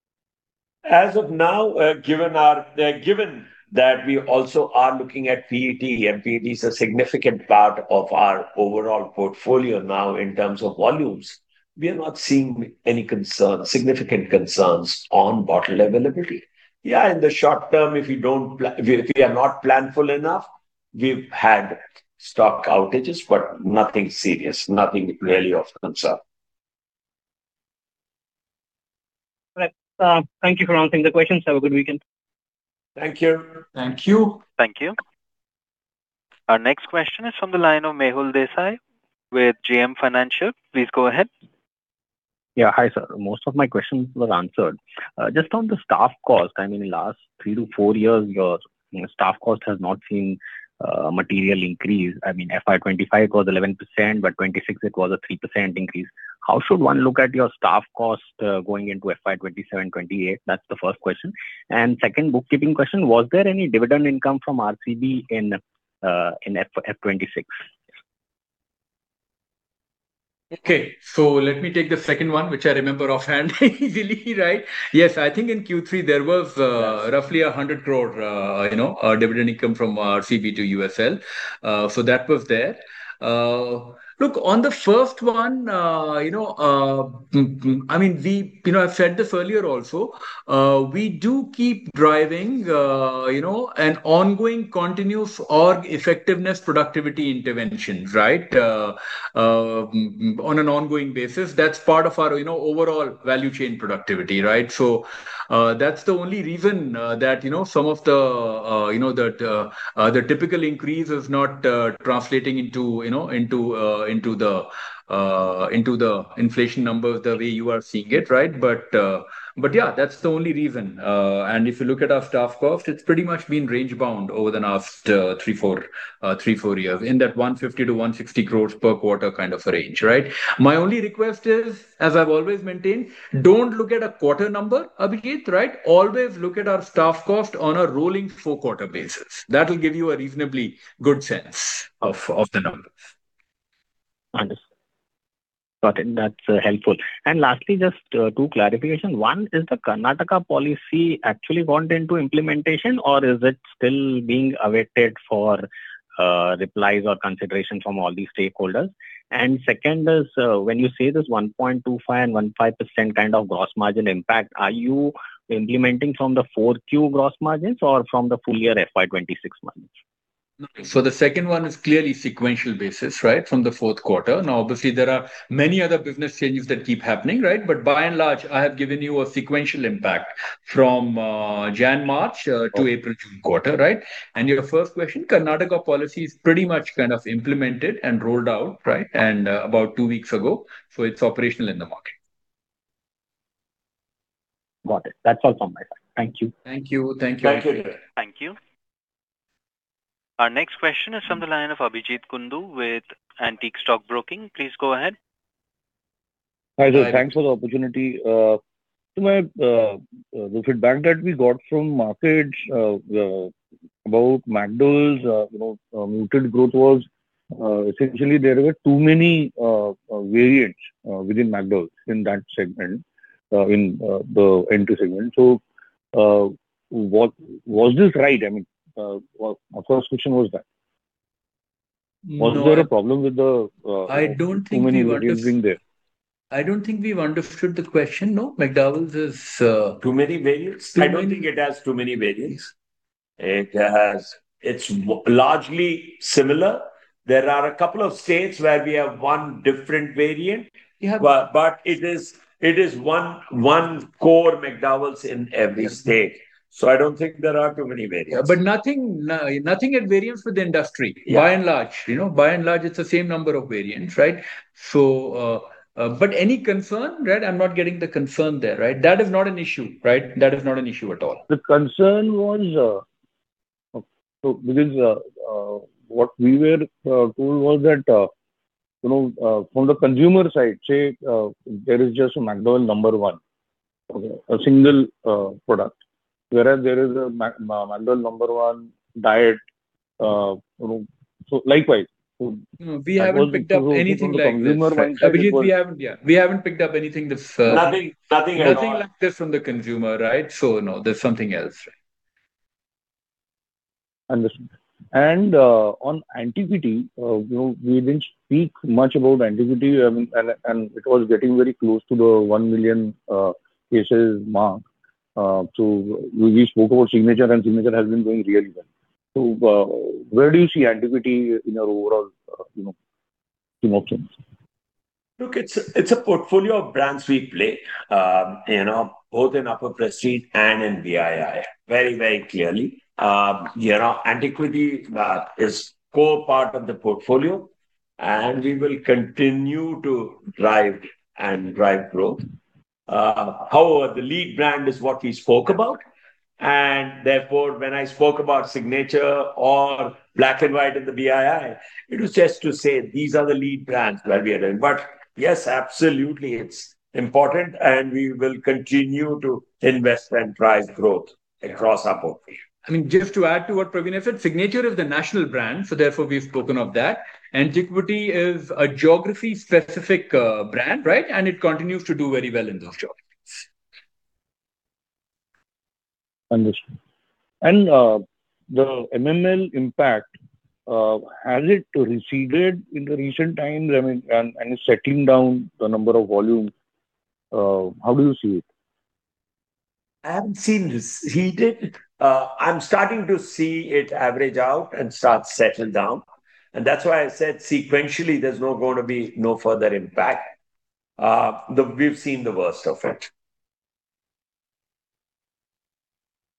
As of now, given that we also are looking at PET, and PET is a significant part of our overall portfolio now in terms of volumes, we are not seeing any concern, significant concerns on bottle availability. Yeah, in the short term, if we are not planful enough, we've had stock outages, but nothing serious, nothing really of concern. Right. Thank you for answering the questions. Have a good weekend. Thank you. Thank you. Thank you. Our next question is from the line of Mehul Desai with JM Financial. Please go ahead. Yeah. Hi, sir. Most of my questions was answered. Just on the staff cost, I mean, last three to four years your, you know, staff cost has not seen material increase. I mean, FY 2025 was 11%, but FY 2026 it was a 3% increase. How should one look at your staff cost going into FY 2027/28? That's the first question. Second bookkeeping question, was there any dividend income from RCB in FY 2026? Okay. Let me take the second one, which I remember offhand easily, right? I think in Q3 there was- Yes -roughly 100 crore, you know, dividend income from RCB to USL. That was there. On the first one, you know, I mean, we You know, I've said this earlier also, we do keep driving, you know, an ongoing continuous org effectiveness productivity intervention on an ongoing basis. That's part of our, you know, overall value chain productivity. That's the only reason that, you know, some of the, you know, that, the typical increase is not translating into, you know, into the inflation numbers the way you are seeing it. But yeah, that's the only reason. If you look at our staff cost, it's pretty much been range bound over the last three, four years in that 150 crores-160 crores per quarter kind of range. My only request is, as I've always maintained, don't look at a quarter number, right. Always look at our staff cost on a rolling four-quarter basis. That'll give you a reasonably good sense of the numbers. Understood. Got it. That's helpful. Lastly, just two clarification. One, is the Karnataka policy actually gone into implementation or is it still being awaited for replies or consideration from all the stakeholders? Second is, when you say this 1.25% and 15% kind of gross margin impact, are you implementing from the 4Q gross margins or from the full year FY 2026 margins? The second one is clearly sequential basis, right. From the Q4. Obviously, there are many other business changes that keep happening, right. By and large, I have given you a sequential impact from January, March to April, June quarter, right. Your first question, Karnataka policy is pretty much kind of implemented and rolled out, right, and about two weeks ago. It's operational in the market. Got it. That's all from my side. Thank you. Thank you. Thank you. Thank you. Thank you. Our next question is from the line of Abhijeet Kundu with Antique Stock Broking. Please go ahead. Hi. Hi, sir. Thanks for the opportunity. The feedback that we got from markets about McDowell's, you know, muted growth was essentially there were too many variants within McDowell's in that segment, in the entry segment. Was this right? I mean, my first question was that. No. Was there a problem with the? I don't think we've. too many variants in there? I don't think we've understood the question, no. McDowell's is. Too many variants? Too many. I don't think it has too many variants. It has It's largely similar. There are a couple of states where we have one different variant. Yeah, but- It is one core McDowell's in every state. Yeah. I don't think there are too many variants. Nothing, nothing at variance with the industry. Yeah. By and large. You know, by and large, it's the same number of variants. Any concern. I'm not getting the concern there. That is not an issue. That is not an issue at all. The concern was because what we were told was that, you know, from the consumer side, say, there is just McDowell's No.1. Okay. A single product, whereas there is a McDowell's No.1 diet, you know, so likewise. No, we haven't picked up anything like this. from the consumer side it was. Abhijeet, Yeah. We haven't picked up anything that's, Nothing, nothing at all. nothing like this from the consumer, right? No, there's something else. Understood. On Antiquity, you know, we didn't speak much about Antiquity. I mean, and it was getting very close to the 1 million cases mark. We spoke about Signature, and Signature has been doing really well. Where do you see Antiquity in your overall, you know, scheme of things? Look, it's a portfolio of brands we play. You know, both in upper Prestige and in BII, very, very clearly. You know, Antiquity is core part of the portfolio, and we will continue to drive growth. However, the lead brand is what we spoke about. Therefore, when I spoke about Signature or Black & White in the BII, it was just to say these are the lead brands where we are doing. Yes, absolutely, it's important, and we will continue to invest and drive growth across our portfolio. I mean, just to add to what Praveen said, Signature is the national brand. Therefore we've spoken of that. Antiquity is a geography specific brand, right? It continues to do very well in those geographies. Understood. The MML impact has it receded in the recent times? I mean, and it's settling down the number of volumes. How do you see it? I haven't seen receded. I'm starting to see it average out and start settle down. That's why I said sequentially there's not gonna be no further impact. The we've seen the worst of it.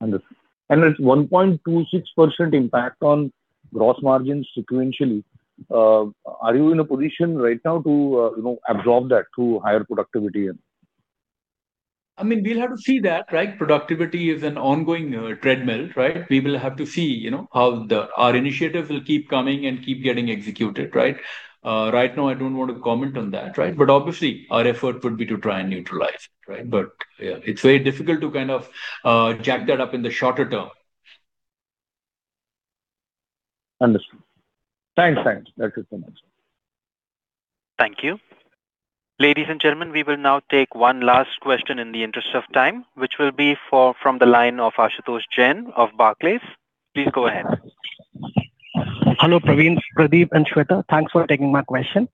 Understood. It's 1.26% impact on gross margins sequentially. Are you in a position right now to, you know, absorb that through higher productivity and I mean, we'll have to see that, right? Productivity is an ongoing treadmill, right? We will have to see, you know, Our initiatives will keep coming and keep getting executed, right? Right now I don't want to comment on that, right? Obviously our effort would be to try and neutralize, right? Yeah, it's very difficult to kind of jack that up in the shorter term. Understood. Thanks. That is so much. Thank you. Ladies and gentlemen, we will now take one last question in the interest of time, which will be from the line of Ashutosh Jain of Barclays. Please go ahead. Hello, Praveen, Pradeep and Shweta. Thanks for taking my question.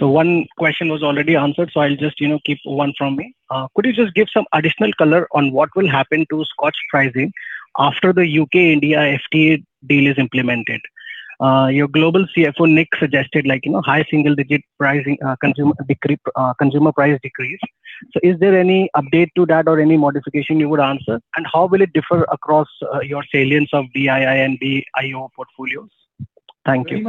One question was already answered, so I'll just, you know, keep one from me. Could you just give some additional color on what will happen to Scotch pricing after the UK-India FTA deal is implemented? Your global CFO, Nik, suggested like, you know, high single-digit pricing, consumer price decrease. Is there any update to that or any modification you would answer? How will it differ across your salience of BII and BIO portfolios? Thank you. Very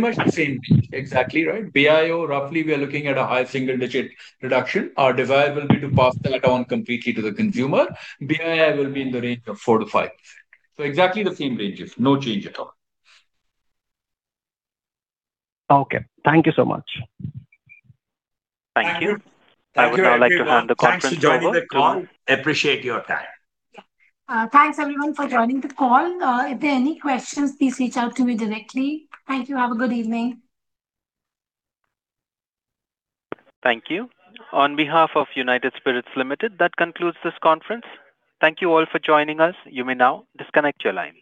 much the same range. Exactly, right. BIO, roughly we are looking at a high single-digit reduction. Our desire will be to pass that on completely to the consumer. BII will be in the range of four to five. Exactly the same ranges. No change at all. Okay. Thank you so much. Thank you. Thank you, everyone. I would now like to hand the conference over. Thanks for joining the call. Appreciate your time. Thanks everyone for joining the call. If there are any questions, please reach out to me directly. Thank you. Have a good evening. Thank you. On behalf of United Spirits Limited, that concludes this conference. Thank you all for joining us. You may now disconnect your lines.